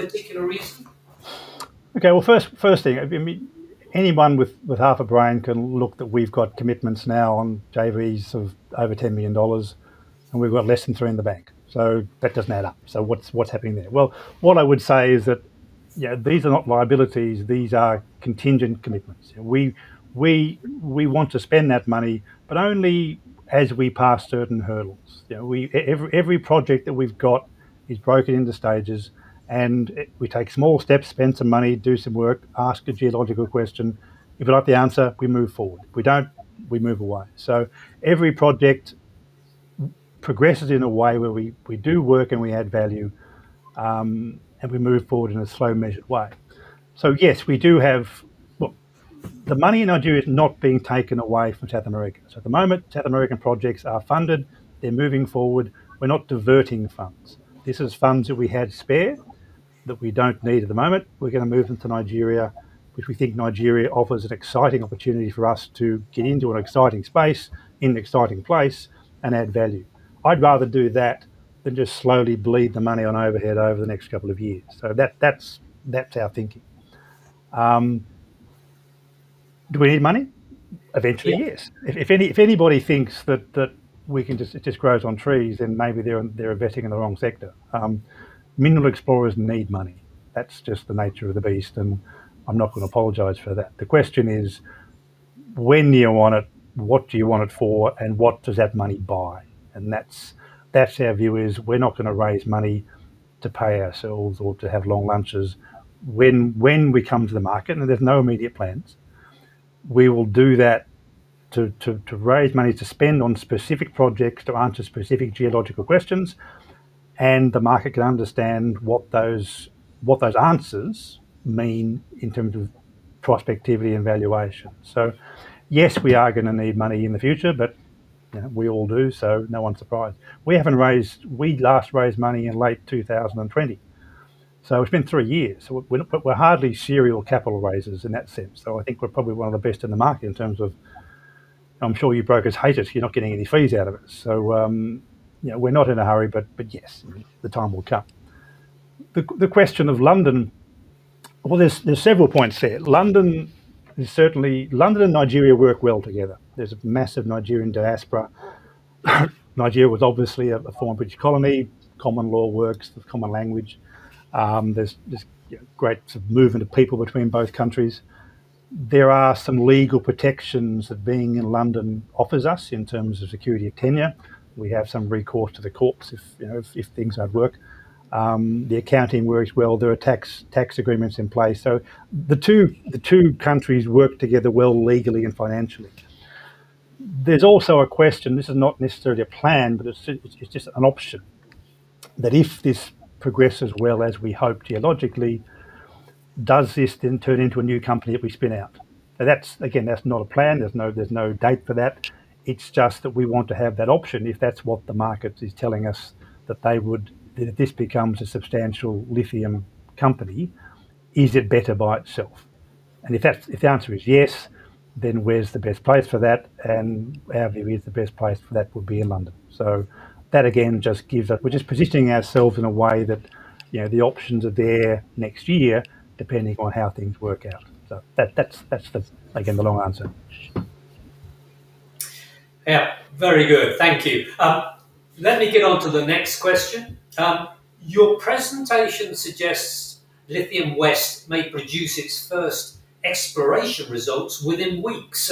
particular reason? Well, first thing. I mean, anyone with half a brain can see that we've got commitments now on JVs of over $10 million, and we've got less than $3 million in the bank. That doesn't add up. What's happening there? Well, what I would say is that, you know, these are not liabilities. These are contingent commitments. We want to spend that money, but only as we pass certain hurdles. You know, every project that we've got is broken into stages, and we take small steps, spend some money, do some work, ask a geological question. If we like the answer, we move forward. If we don't, we move away. Every project progresses in a way where we do work and we add value, and we move forward in a slow measured way. Yes, we do have. Look, the money in Nigeria is not being taken away from South America. At the moment, South American projects are funded. They're moving forward. We're not diverting the funds. This is funds that we had spare that we don't need at the moment. We're gonna move them to Nigeria because we think Nigeria offers an exciting opportunity for us to get into an exciting space in an exciting place and add value. I'd rather do that than just slowly bleed the money on overhead over the next couple of years. That's our thinking. Do we need money? Eventually, yes. If anybody thinks that we can just. It just grows on trees, then maybe they're investing in the wrong sector. Mineral explorers need money. That's just the nature of the beast, and I'm not gonna apologize for that. The question is, when do you want it? What do you want it for? And what does that money buy? And that's our view is we're not gonna raise money to pay ourselves or to have long lunches. When we come to the market, and there's no immediate plans, we will do that to raise money to spend on specific projects, to answer specific geological questions, and the market can understand what those answers mean in terms of prospectivity and valuation. Yes, we are gonna need money in the future, but, you know, we all do, so no one's surprised. We haven't raised. We last raised money in late 2020. So it's been three years. We're not. We're hardly serial capital raisers in that sense. I think we're probably one of the best in the market in terms of. I'm sure you brokers hate us. You're not getting any fees out of it. You know, we're not in a hurry, but yes, the time will come. The question of London. Well, there's several points here. London is certainly. London and Nigeria work well together. There's a massive Nigerian diaspora. Nigeria was obviously a former British colony. Common law works. There's common language. There's great sort of movement of people between both countries. There are some legal protections that being in London offers us in terms of security of tenure. We have some recourse to the courts if you know, things don't work. The accounting works well. There are tax agreements in place. The two countries work together well legally and financially. There's also a question. This is not necessarily a plan, but it's just an option, that if this progresses well as we hope geologically, does this then turn into a new company that we spin out? That's, again, that's not a plan. There's no date for that. It's just that we want to have that option if that's what the market is telling us. That if this becomes a substantial lithium company, is it better by itself? If the answer is yes, then where's the best place for that? Our view is the best place for that would be in London. That again just gives us. We're just positioning ourselves in a way that, you know, the options are there next year, depending on how things work out. That's the long answer, again. Yeah. Very good. Thank you. Let me get on to the next question. Your presentation suggests Lithium West may produce its first exploration results within weeks.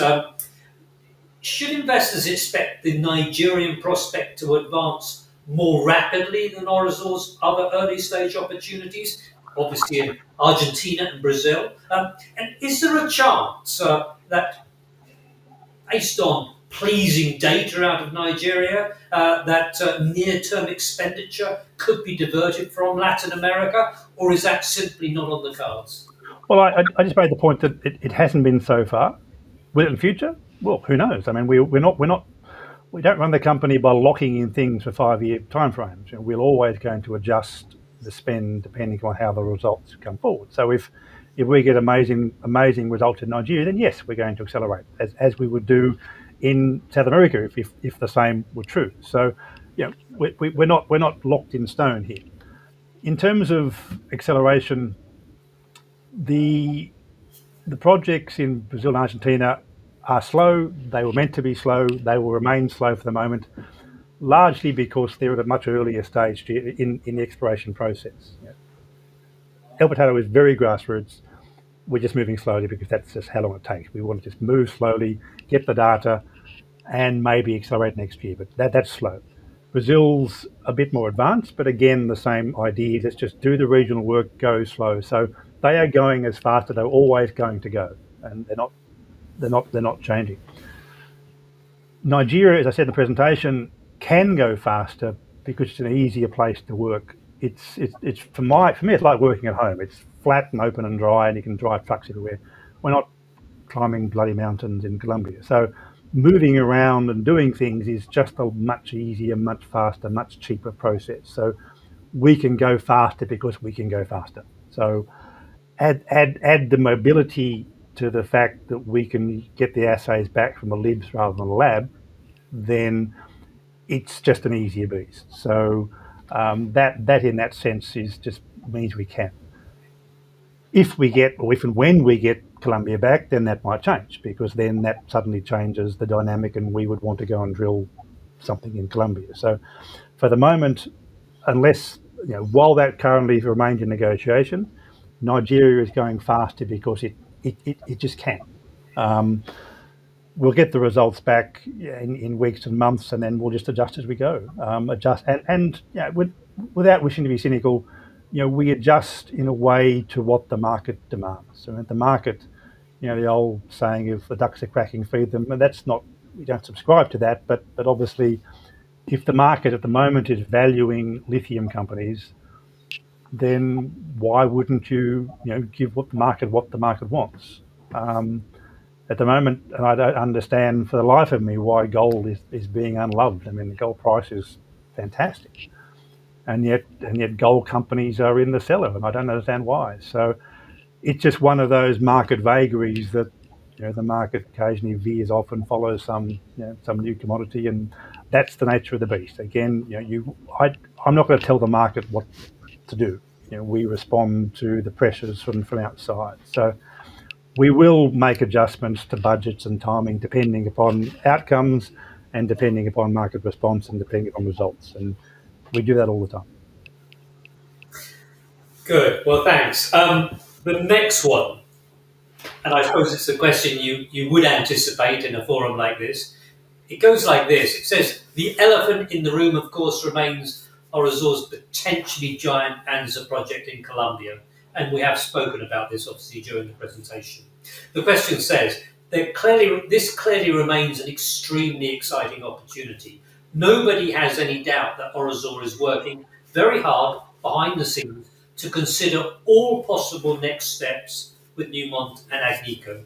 Should investors expect the Nigerian prospect to advance more rapidly than Orosur's other early-stage opportunities, obviously in Argentina and Brazil? And is there a chance that based on pleasing data out of Nigeria that near-term expenditure could be diverted from Latin America, or is that simply not on the cards? Well, I just made the point that it hasn't been so far. Will it in the future? Well, who knows? I mean, we're not. We don't run the company by locking in things for five-year timeframes. You know, we're always going to adjust the spend depending on how the results come forward. So if we get amazing results in Nigeria, then yes, we're going to accelerate as we would do in South America if the same were true. So, you know, we're not locked in stone here. In terms of acceleration. The projects in Brazil and Argentina are slow. They were meant to be slow. They will remain slow for the moment, largely because they're at a much earlier stage in the exploration process. Yeah. El Pantano is very grassroots. We're just moving slowly because that's just how long it takes. We want to just move slowly, get the data, and maybe accelerate next year, but that's slow. Brazil's a bit more advanced, but again, the same idea. Let's just do the regional work, go slow. They are going as fast as they were always going to go, and they're not changing. Nigeria, as I said in the presentation, can go faster because it's an easier place to work. It's for me like working at home. It's flat and open and dry, and you can drive trucks everywhere. We're not climbing bloody mountains in Colombia. Moving around and doing things is just a much easier, much faster, much cheaper process. We can go faster because we can go faster. Add the mobility to the fact that we can get the assays back from the libs rather than the lab, then it's just an easier beast. That in that sense just means we can. If we get, or if and when we get Colombia back, then that might change because then that suddenly changes the dynamic and we would want to go and drill something in Colombia. For the moment, unless, you know, while that currently remains in negotiation, Nigeria is going faster because it just can. We'll get the results back in weeks and months, and then we'll just adjust as we go. And, you know, without wishing to be cynical, you know, we adjust in a way to what the market demands. If the market, you know, the old saying, "If the ducks are quacking, feed them," and that's not. We don't subscribe to that, but obviously if the market at the moment is valuing lithium companies, then why wouldn't you know, give what the market wants? At the moment, I don't understand for the life of me why gold is being unloved. I mean, the gold price is fantastic, and yet gold companies are in the cellar, and I don't understand why. It's just one of those market vagaries that, you know, the market occasionally veers off and follows some new commodity and that's the nature of the beast. Again, you know, I'm not gonna tell the market what to do. You know, we respond to the pressures from outside. We will make adjustments to budgets and timing depending upon outcomes and depending upon market response and depending on results, and we do that all the time. Good. Well, thanks. The next one, I suppose it's a question you would anticipate in a forum like this. It goes like this. It says, "The elephant in the room, of course, remains Orosur's potentially giant Anzá project in Colombia," and we have spoken about this obviously during the presentation. The question says, "This clearly remains an extremely exciting opportunity. Nobody has any doubt that Orosur is working very hard behind the scenes to consider all possible next steps with Newmont and Agnico.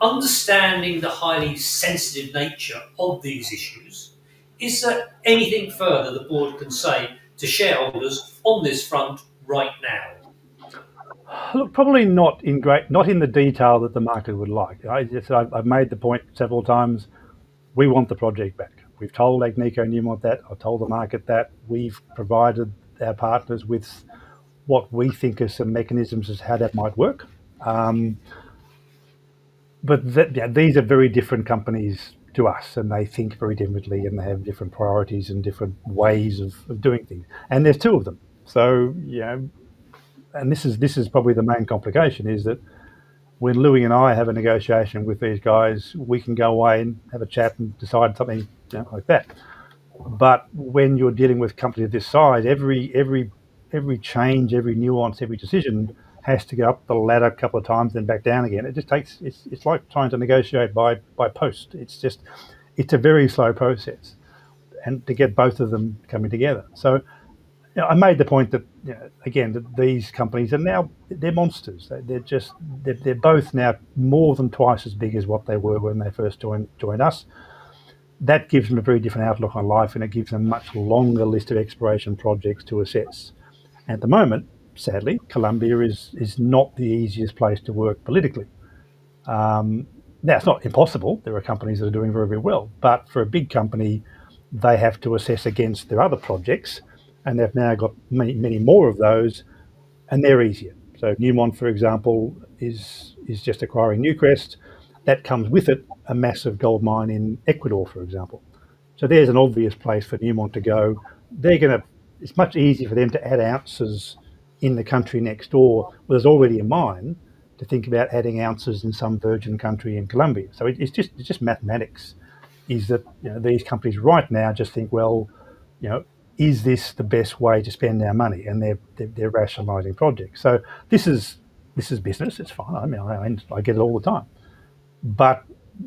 Understanding the highly sensitive nature of these issues, is there anything further the board can say to shareholders on this front right now? Look, probably not in great, not in the detail that the market would like. I've made the point several times, we want the project back. We've told Agnico and Newmont that. I've told the market that. We've provided our partners with what we think are some mechanisms as how that might work. But these are very different companies to us, and they think very differently and they have different priorities and different ways of doing things. There's two of them. You know, this is probably the main complication is that when Louis and I have a negotiation with these guys, we can go away and have a chat and decide something, you know, like that. when you're dealing with a company of this size, every change, every nuance, every decision has to go up the ladder a couple of times then back down again. It just takes. It's like trying to negotiate by post. It's just a very slow process and to get both of them coming together. You know, I made the point that, you know, again, that these companies are now, they're monsters. They're both now more than twice as big as what they were when they first joined us. That gives them a very different outlook on life, and it gives them a much longer list of exploration projects to assess. At the moment, sadly, Colombia is not the easiest place to work politically. Now it's not impossible. There are companies that are doing very well. For a big company, they have to assess against their other projects, and they've now got many, many more of those, and they're easier. Newmont, for example, is just acquiring Newcrest. That comes with it a massive gold mine in Ecuador, for example. There's an obvious place for Newmont to go. It's much easier for them to add ounces in the country next door where there's already a mine than think about adding ounces in some virgin country in Colombia. It's just mathematics. Is that, you know, these companies right now just think, "Well, you know, is this the best way to spend our money?" They're rationalizing projects. This is business. It's fine. I mean, and I get it all the time.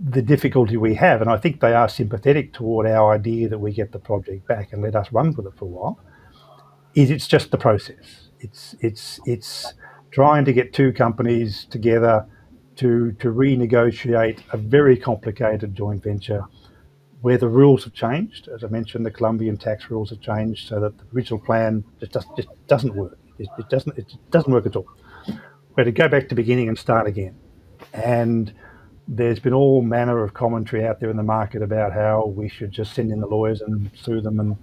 The difficulty we have, and I think they are sympathetic toward our idea that we get the project back and let us run with it for a while, is it's just the process. It's trying to get two companies together to renegotiate a very complicated joint venture where the rules have changed. As I mentioned, the Colombian tax rules have changed so that the original plan, it just doesn't work. It doesn't work at all. We had to go back to the beginning and start again. There's been all manner of commentary out there in the market about how we should just send in the lawyers and sue them.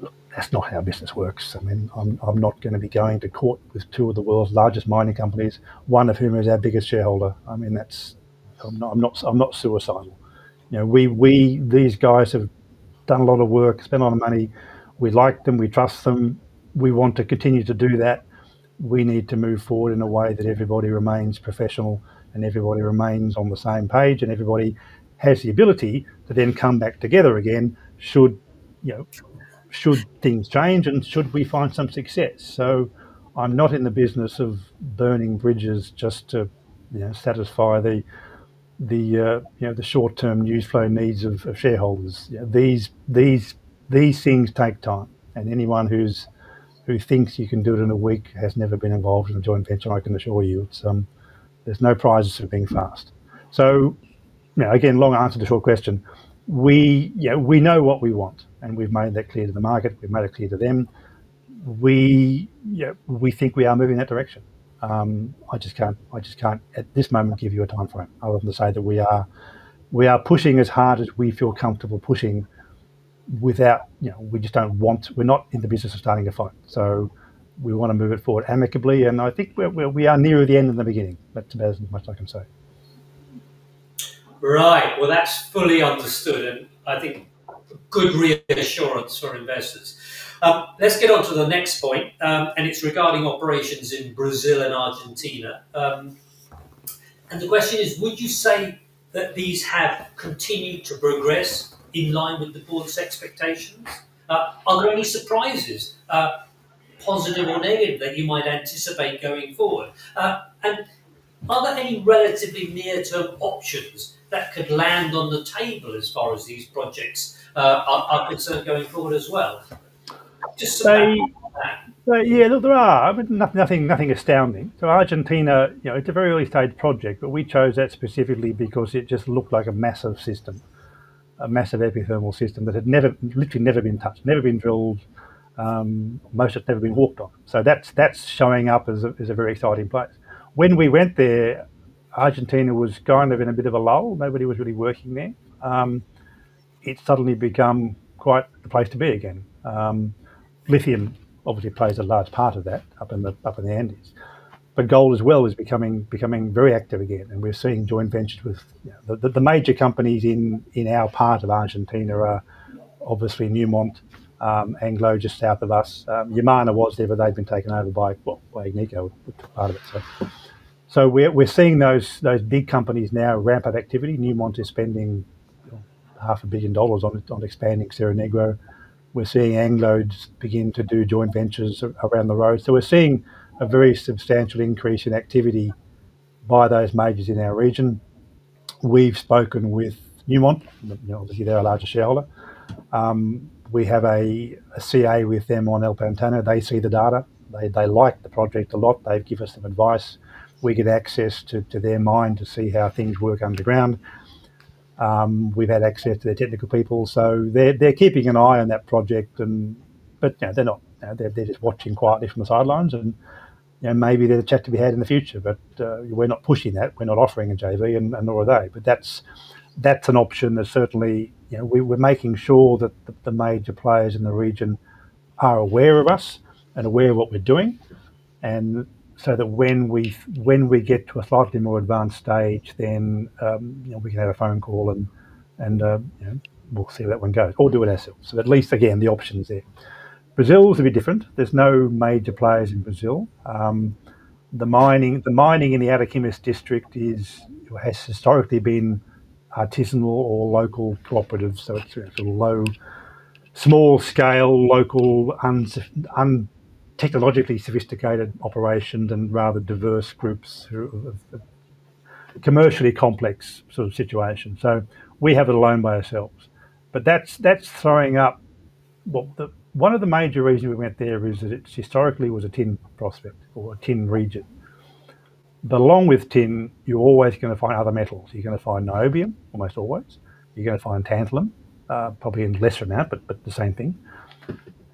Look, that's not how business works. I mean, I'm not gonna be going to court with two of the world's largest mining companies. One of whom is our biggest shareholder. I mean, I'm not suicidal. You know, these guys have done a lot of work, spent a lot of money. We like them, we trust them. We want to continue to do that. We need to move forward in a way that everybody remains professional, and everybody remains on the same page, and everybody has the ability to then come back together again should things change and should we find some success. I'm not in the business of burning bridges just to satisfy the short-term news flow needs of shareholders. You know, these things take time, and anyone who thinks you can do it in a week has never been involved in a joint venture, I can assure you. There's no prizes for being fast. You know, again, long answer to short question. We, you know, we know what we want, and we've made that clear to the market, we've made it clear to them. We, you know, we think we are moving that direction. I just can't, at this moment, give you a timeframe. Other than to say that we are pushing as hard as we feel comfortable pushing without. You know, we just don't want. We're not in the business of starting a fight. We want to move it forward amicably, and I think we're near the end of the beginning. But as much as I can say. Right. Well, that's fully understood, and I think good reassurance for investors. Let's get on to the next point. It's regarding operations in Brazil and Argentina. The question is, would you say that these have continued to progress in line with the board's expectations? Are there any surprises, positive or negative, that you might anticipate going forward? Are there any relatively near-term options that could land on the table as far as these projects are concerned going forward as well? So that Yeah, look, there are nothing astounding. Argentina, you know, it's a very early-stage project. We chose that specifically because it just looked like a massive system. A massive epithermal system that had never literally been touched. Never been drilled. Most of it's never been walked on. That's showing up as a very exciting place. When we went there, Argentina was kind of in a bit of a lull. Nobody was really working there. It's suddenly become quite the place to be again. Lithium obviously plays a large part of that up in the Andes. Gold as well is becoming very active again, and we're seeing joint ventures with you know, the major companies in our part of Argentina are obviously Newmont, Anglo just south of us. Yamana was there, but they've been taken over by, well, by Agnico, who took part of it, so. We're seeing those big companies now ramp up activity. Newmont is spending, you know, half a billion dollars on expanding Cerro Negro. We're seeing Anglo just begin to do joint ventures around the world. We're seeing a very substantial increase in activity by those majors in our region. We've spoken with Newmont. You know, obviously they're a larger shareholder. We have a CA with them on El Pantano. They see the data. They like the project a lot. They've give us some advice. We get access to their mine to see how things work underground. We've had access to their technical people. They're keeping an eye on that project. You know, they're not. You know, they're just watching quietly from the sidelines and, you know, maybe there's a chat to be had in the future. We're not pushing that. We're not offering a JV and nor are they. That's an option that certainly you know, we're making sure that the major players in the region are aware of us and aware of what we're doing and so that when we get to a slightly more advanced stage then, you know, we can have a phone call and, you know, we'll see where that one goes. Do it ourselves. At least again, the option's there. Brazil's a bit different. There's no major players in Brazil. The mining in the Ariquemes district has historically been artisanal or local cooperative. It's a low small-scale, local, un-technologically sophisticated operations and rather diverse groups who have commercially complex sort of situation. We have it alone by ourselves. That's throwing up. One of the major reasons we went there is that it historically was a tin prospect or a tin region. Along with tin, you're always gonna find other metals. You're gonna find niobium, almost always. You're gonna find tantalum, probably in lesser amount, but the same thing.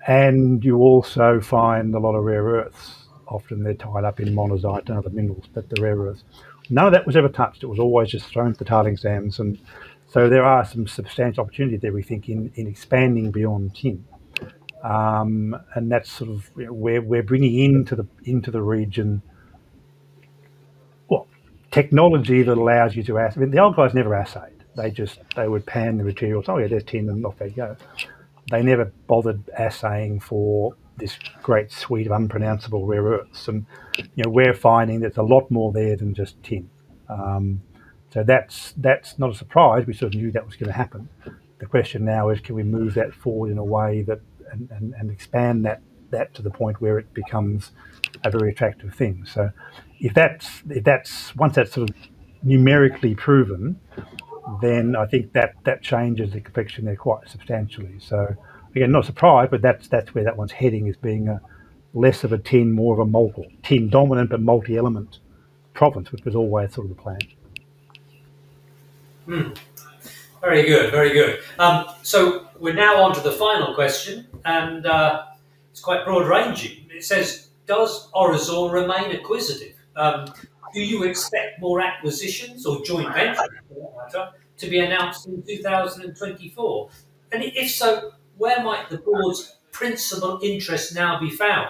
And you also find a lot of rare earths. Often they're tied up in monazite and other minerals, but they're rare earths. None of that was ever touched. It was always just thrown at the tailings dams and there are some substantial opportunities there, we think, in expanding beyond tin. That's sort of, you know, we're bringing into the region. Well, technology that allows you to assay. I mean, the old guys never assayed. They just. They would pan the materials. "Oh, yeah, there's tin" and off they'd go. They never bothered assaying for this great suite of unpronounceable rare earths. You know, we're finding there's a lot more there than just tin. That's not a surprise. We sort of knew that was gonna happen. The question now is can we move that forward in a way that and expand that to the point where it becomes a very attractive thing? If that's. Once that's sort of numerically proven, then I think that changes the complexion there quite substantially. Again, not a surprise, but that's where that one's heading, is being a less of a tin, more of a multiple. Tin dominant, but multi-element province, which was always sort of the plan. Very good. Very good. We're now onto the final question and. It's quite broad-ranging. It says, "Does Orosur remain acquisitive? Do you expect more acquisitions or joint ventures, for that matter, to be announced in 2024? And if so, where might the board's principal interest now be found?"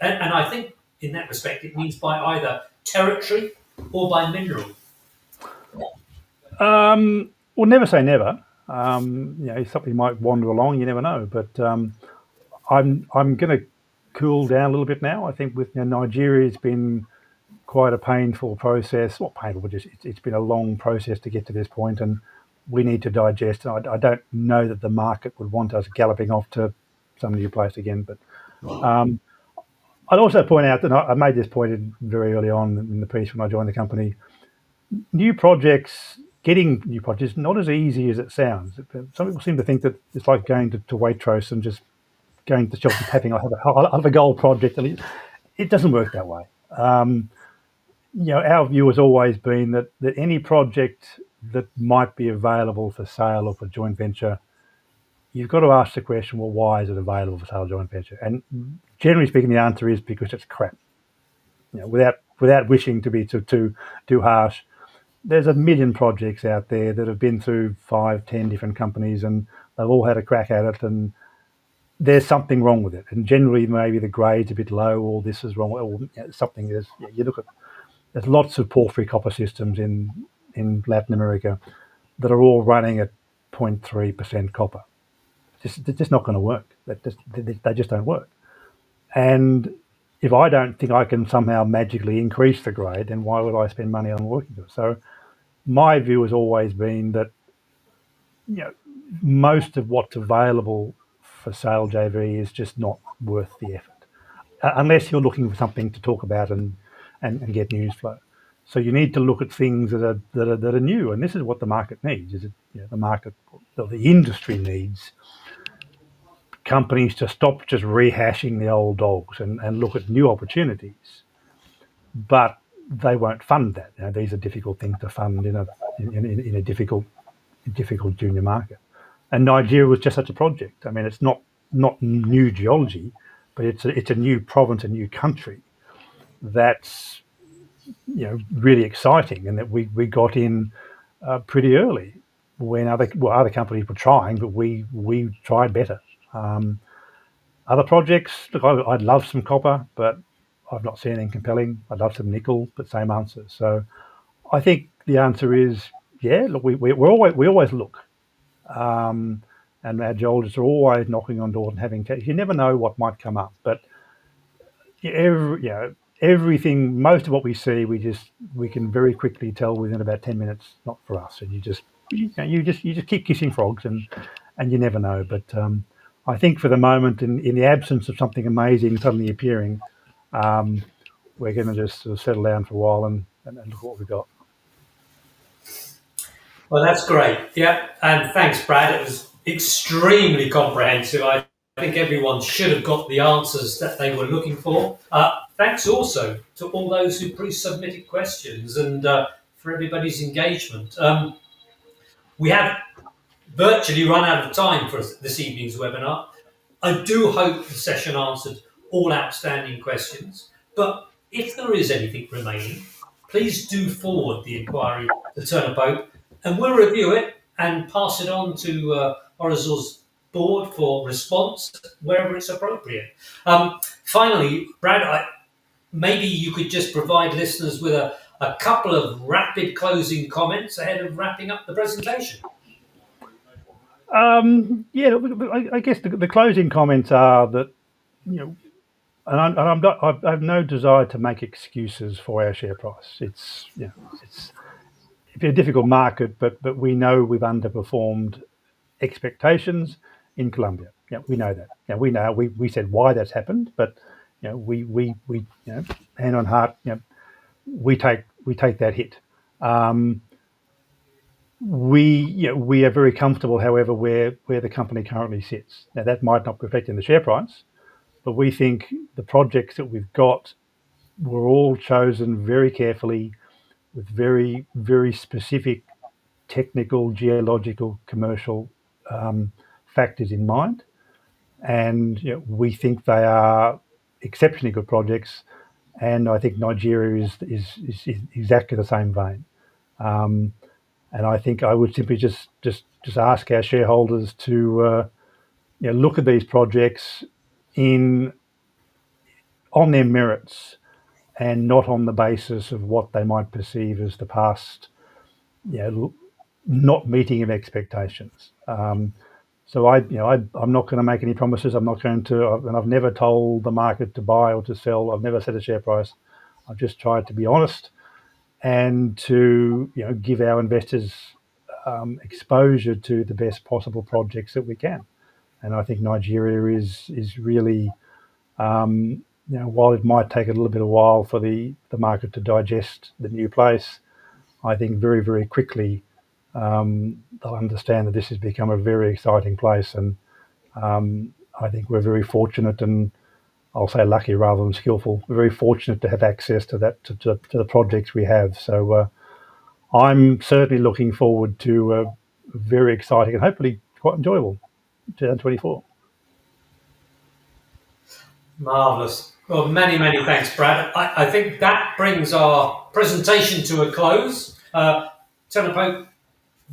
I think in that respect it means by either territory or by mineral. Well, never say never. You know, something might wander along, you never know. I'm gonna cool down a little bit now. I think with, you know, Nigeria's been quite a painful process. Not painful, but just it's been a long process to get to this point, and we need to digest. I don't know that the market would want us galloping off to some new place again. I'd also point out that I made this point very early on in the piece when I joined the company. New projects, getting new projects is not as easy as it sounds. Some people seem to think that it's like going to Waitrose and just going to the shop and tapping, "I'll have a gold project," and it doesn't work that way. You know, our view has always been that any project that might be available for sale or for joint venture, you've got to ask the question, "Well, why is it available for sale or joint venture?" Generally speaking, the answer is because it's crap. You know, without wishing to be too harsh, there's a million projects out there that have been through 5, 10 different companies, and they've all had a crack at it, and there's something wrong with it. Generally, maybe the grade's a bit low or this is wrong or, you know, something is. You look at, there's lots of porphyry copper systems in Latin America that are all running at 0.3% copper. It's just, they're just not gonna work. They're just, they just don't work. If I don't think I can somehow magically increase the grade, then why would I spend money on working them? My view has always been that, you know, most of what's available for sale, JV is just not worth the effort. Unless you're looking for something to talk about and get news flow. You need to look at things that are new, and this is what the market needs, is it? You know, the market or the industry needs companies to stop just rehashing the old dogs and look at new opportunities. They won't fund that. You know, these are difficult things to fund in a difficult junior market. Nigeria was just such a project. I mean, it's not new geology, but it's a new province, a new country that's, you know, really exciting and that we got in pretty early when other, well, other companies were trying, but we tried better. Other projects. Look, I'd love some copper, but I've not seen anything compelling. I'd love some nickel, but same answer. I think the answer is, yeah, look, we're always. We always look. Our geologists are always knocking on doors. You never know what might come up. You know, everything, most of what we see, we can very quickly tell within about 10 minutes, "Not for us." You just, you know, you keep kissing frogs and you never know. I think for the moment, in the absence of something amazing suddenly appearing, we're gonna just sort of settle down for a while and look at what we've got. Well, that's great. Yeah. Thanks, Brad. It was extremely comprehensive. I think everyone should have got the answers that they were looking for. Thanks also to all those who pre-submitted questions and for everybody's engagement. We have virtually run out of time for this evening's webinar. I do hope the session answered all outstanding questions. If there is anything remaining, please do forward the inquiry to Turner Pope, and we'll review it and pass it on to Orosur's board for response wherever it's appropriate. Finally, Brad, maybe you could just provide listeners with a couple of rapid closing comments ahead of wrapping up the presentation. Yeah. I guess the closing comments are that, you know, I'm not. I have no desire to make excuses for our share price. It's been a difficult market, but we know we've underperformed expectations in Colombia. Yeah, we know that. Yeah, we know. We said why that's happened, but, you know, hand on heart, you know, we take that hit. We are very comfortable, however, where the company currently sits. Now, that might not be reflected in the share price, but we think the projects that we've got were all chosen very carefully with very specific technical, geological, commercial factors in mind. You know, we think they are exceptionally good projects, and I think Nigeria is exactly the same vein. I think I would simply just ask our shareholders to, you know, look at these projects on their merits and not on the basis of what they might perceive as the past, you know, not meeting of expectations. I, you know, I'm not gonna make any promises. I'm not going to. I've never told the market to buy or to sell. I've just tried to be honest and to, you know, give our investors exposure to the best possible projects that we can. I think Nigeria is really, you know, while it might take a little while for the market to digest the new plays, I think very quickly, they'll understand that this has become a very exciting place and, I think we're very fortunate and, I'll say lucky rather than skillful, we're very fortunate to have access to that, to the projects we have. I'm certainly looking forward to a very exciting and hopefully quite enjoyable 2024. Marvelous. Well, many, many thanks, Brad. I think that brings our presentation to a close. Turner Pope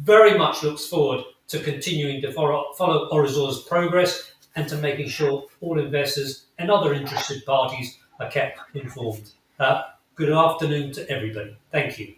very much looks forward to continuing to follow Orosur's progress and to making sure all investors and other interested parties are kept informed. Good afternoon to everybody. Thank you.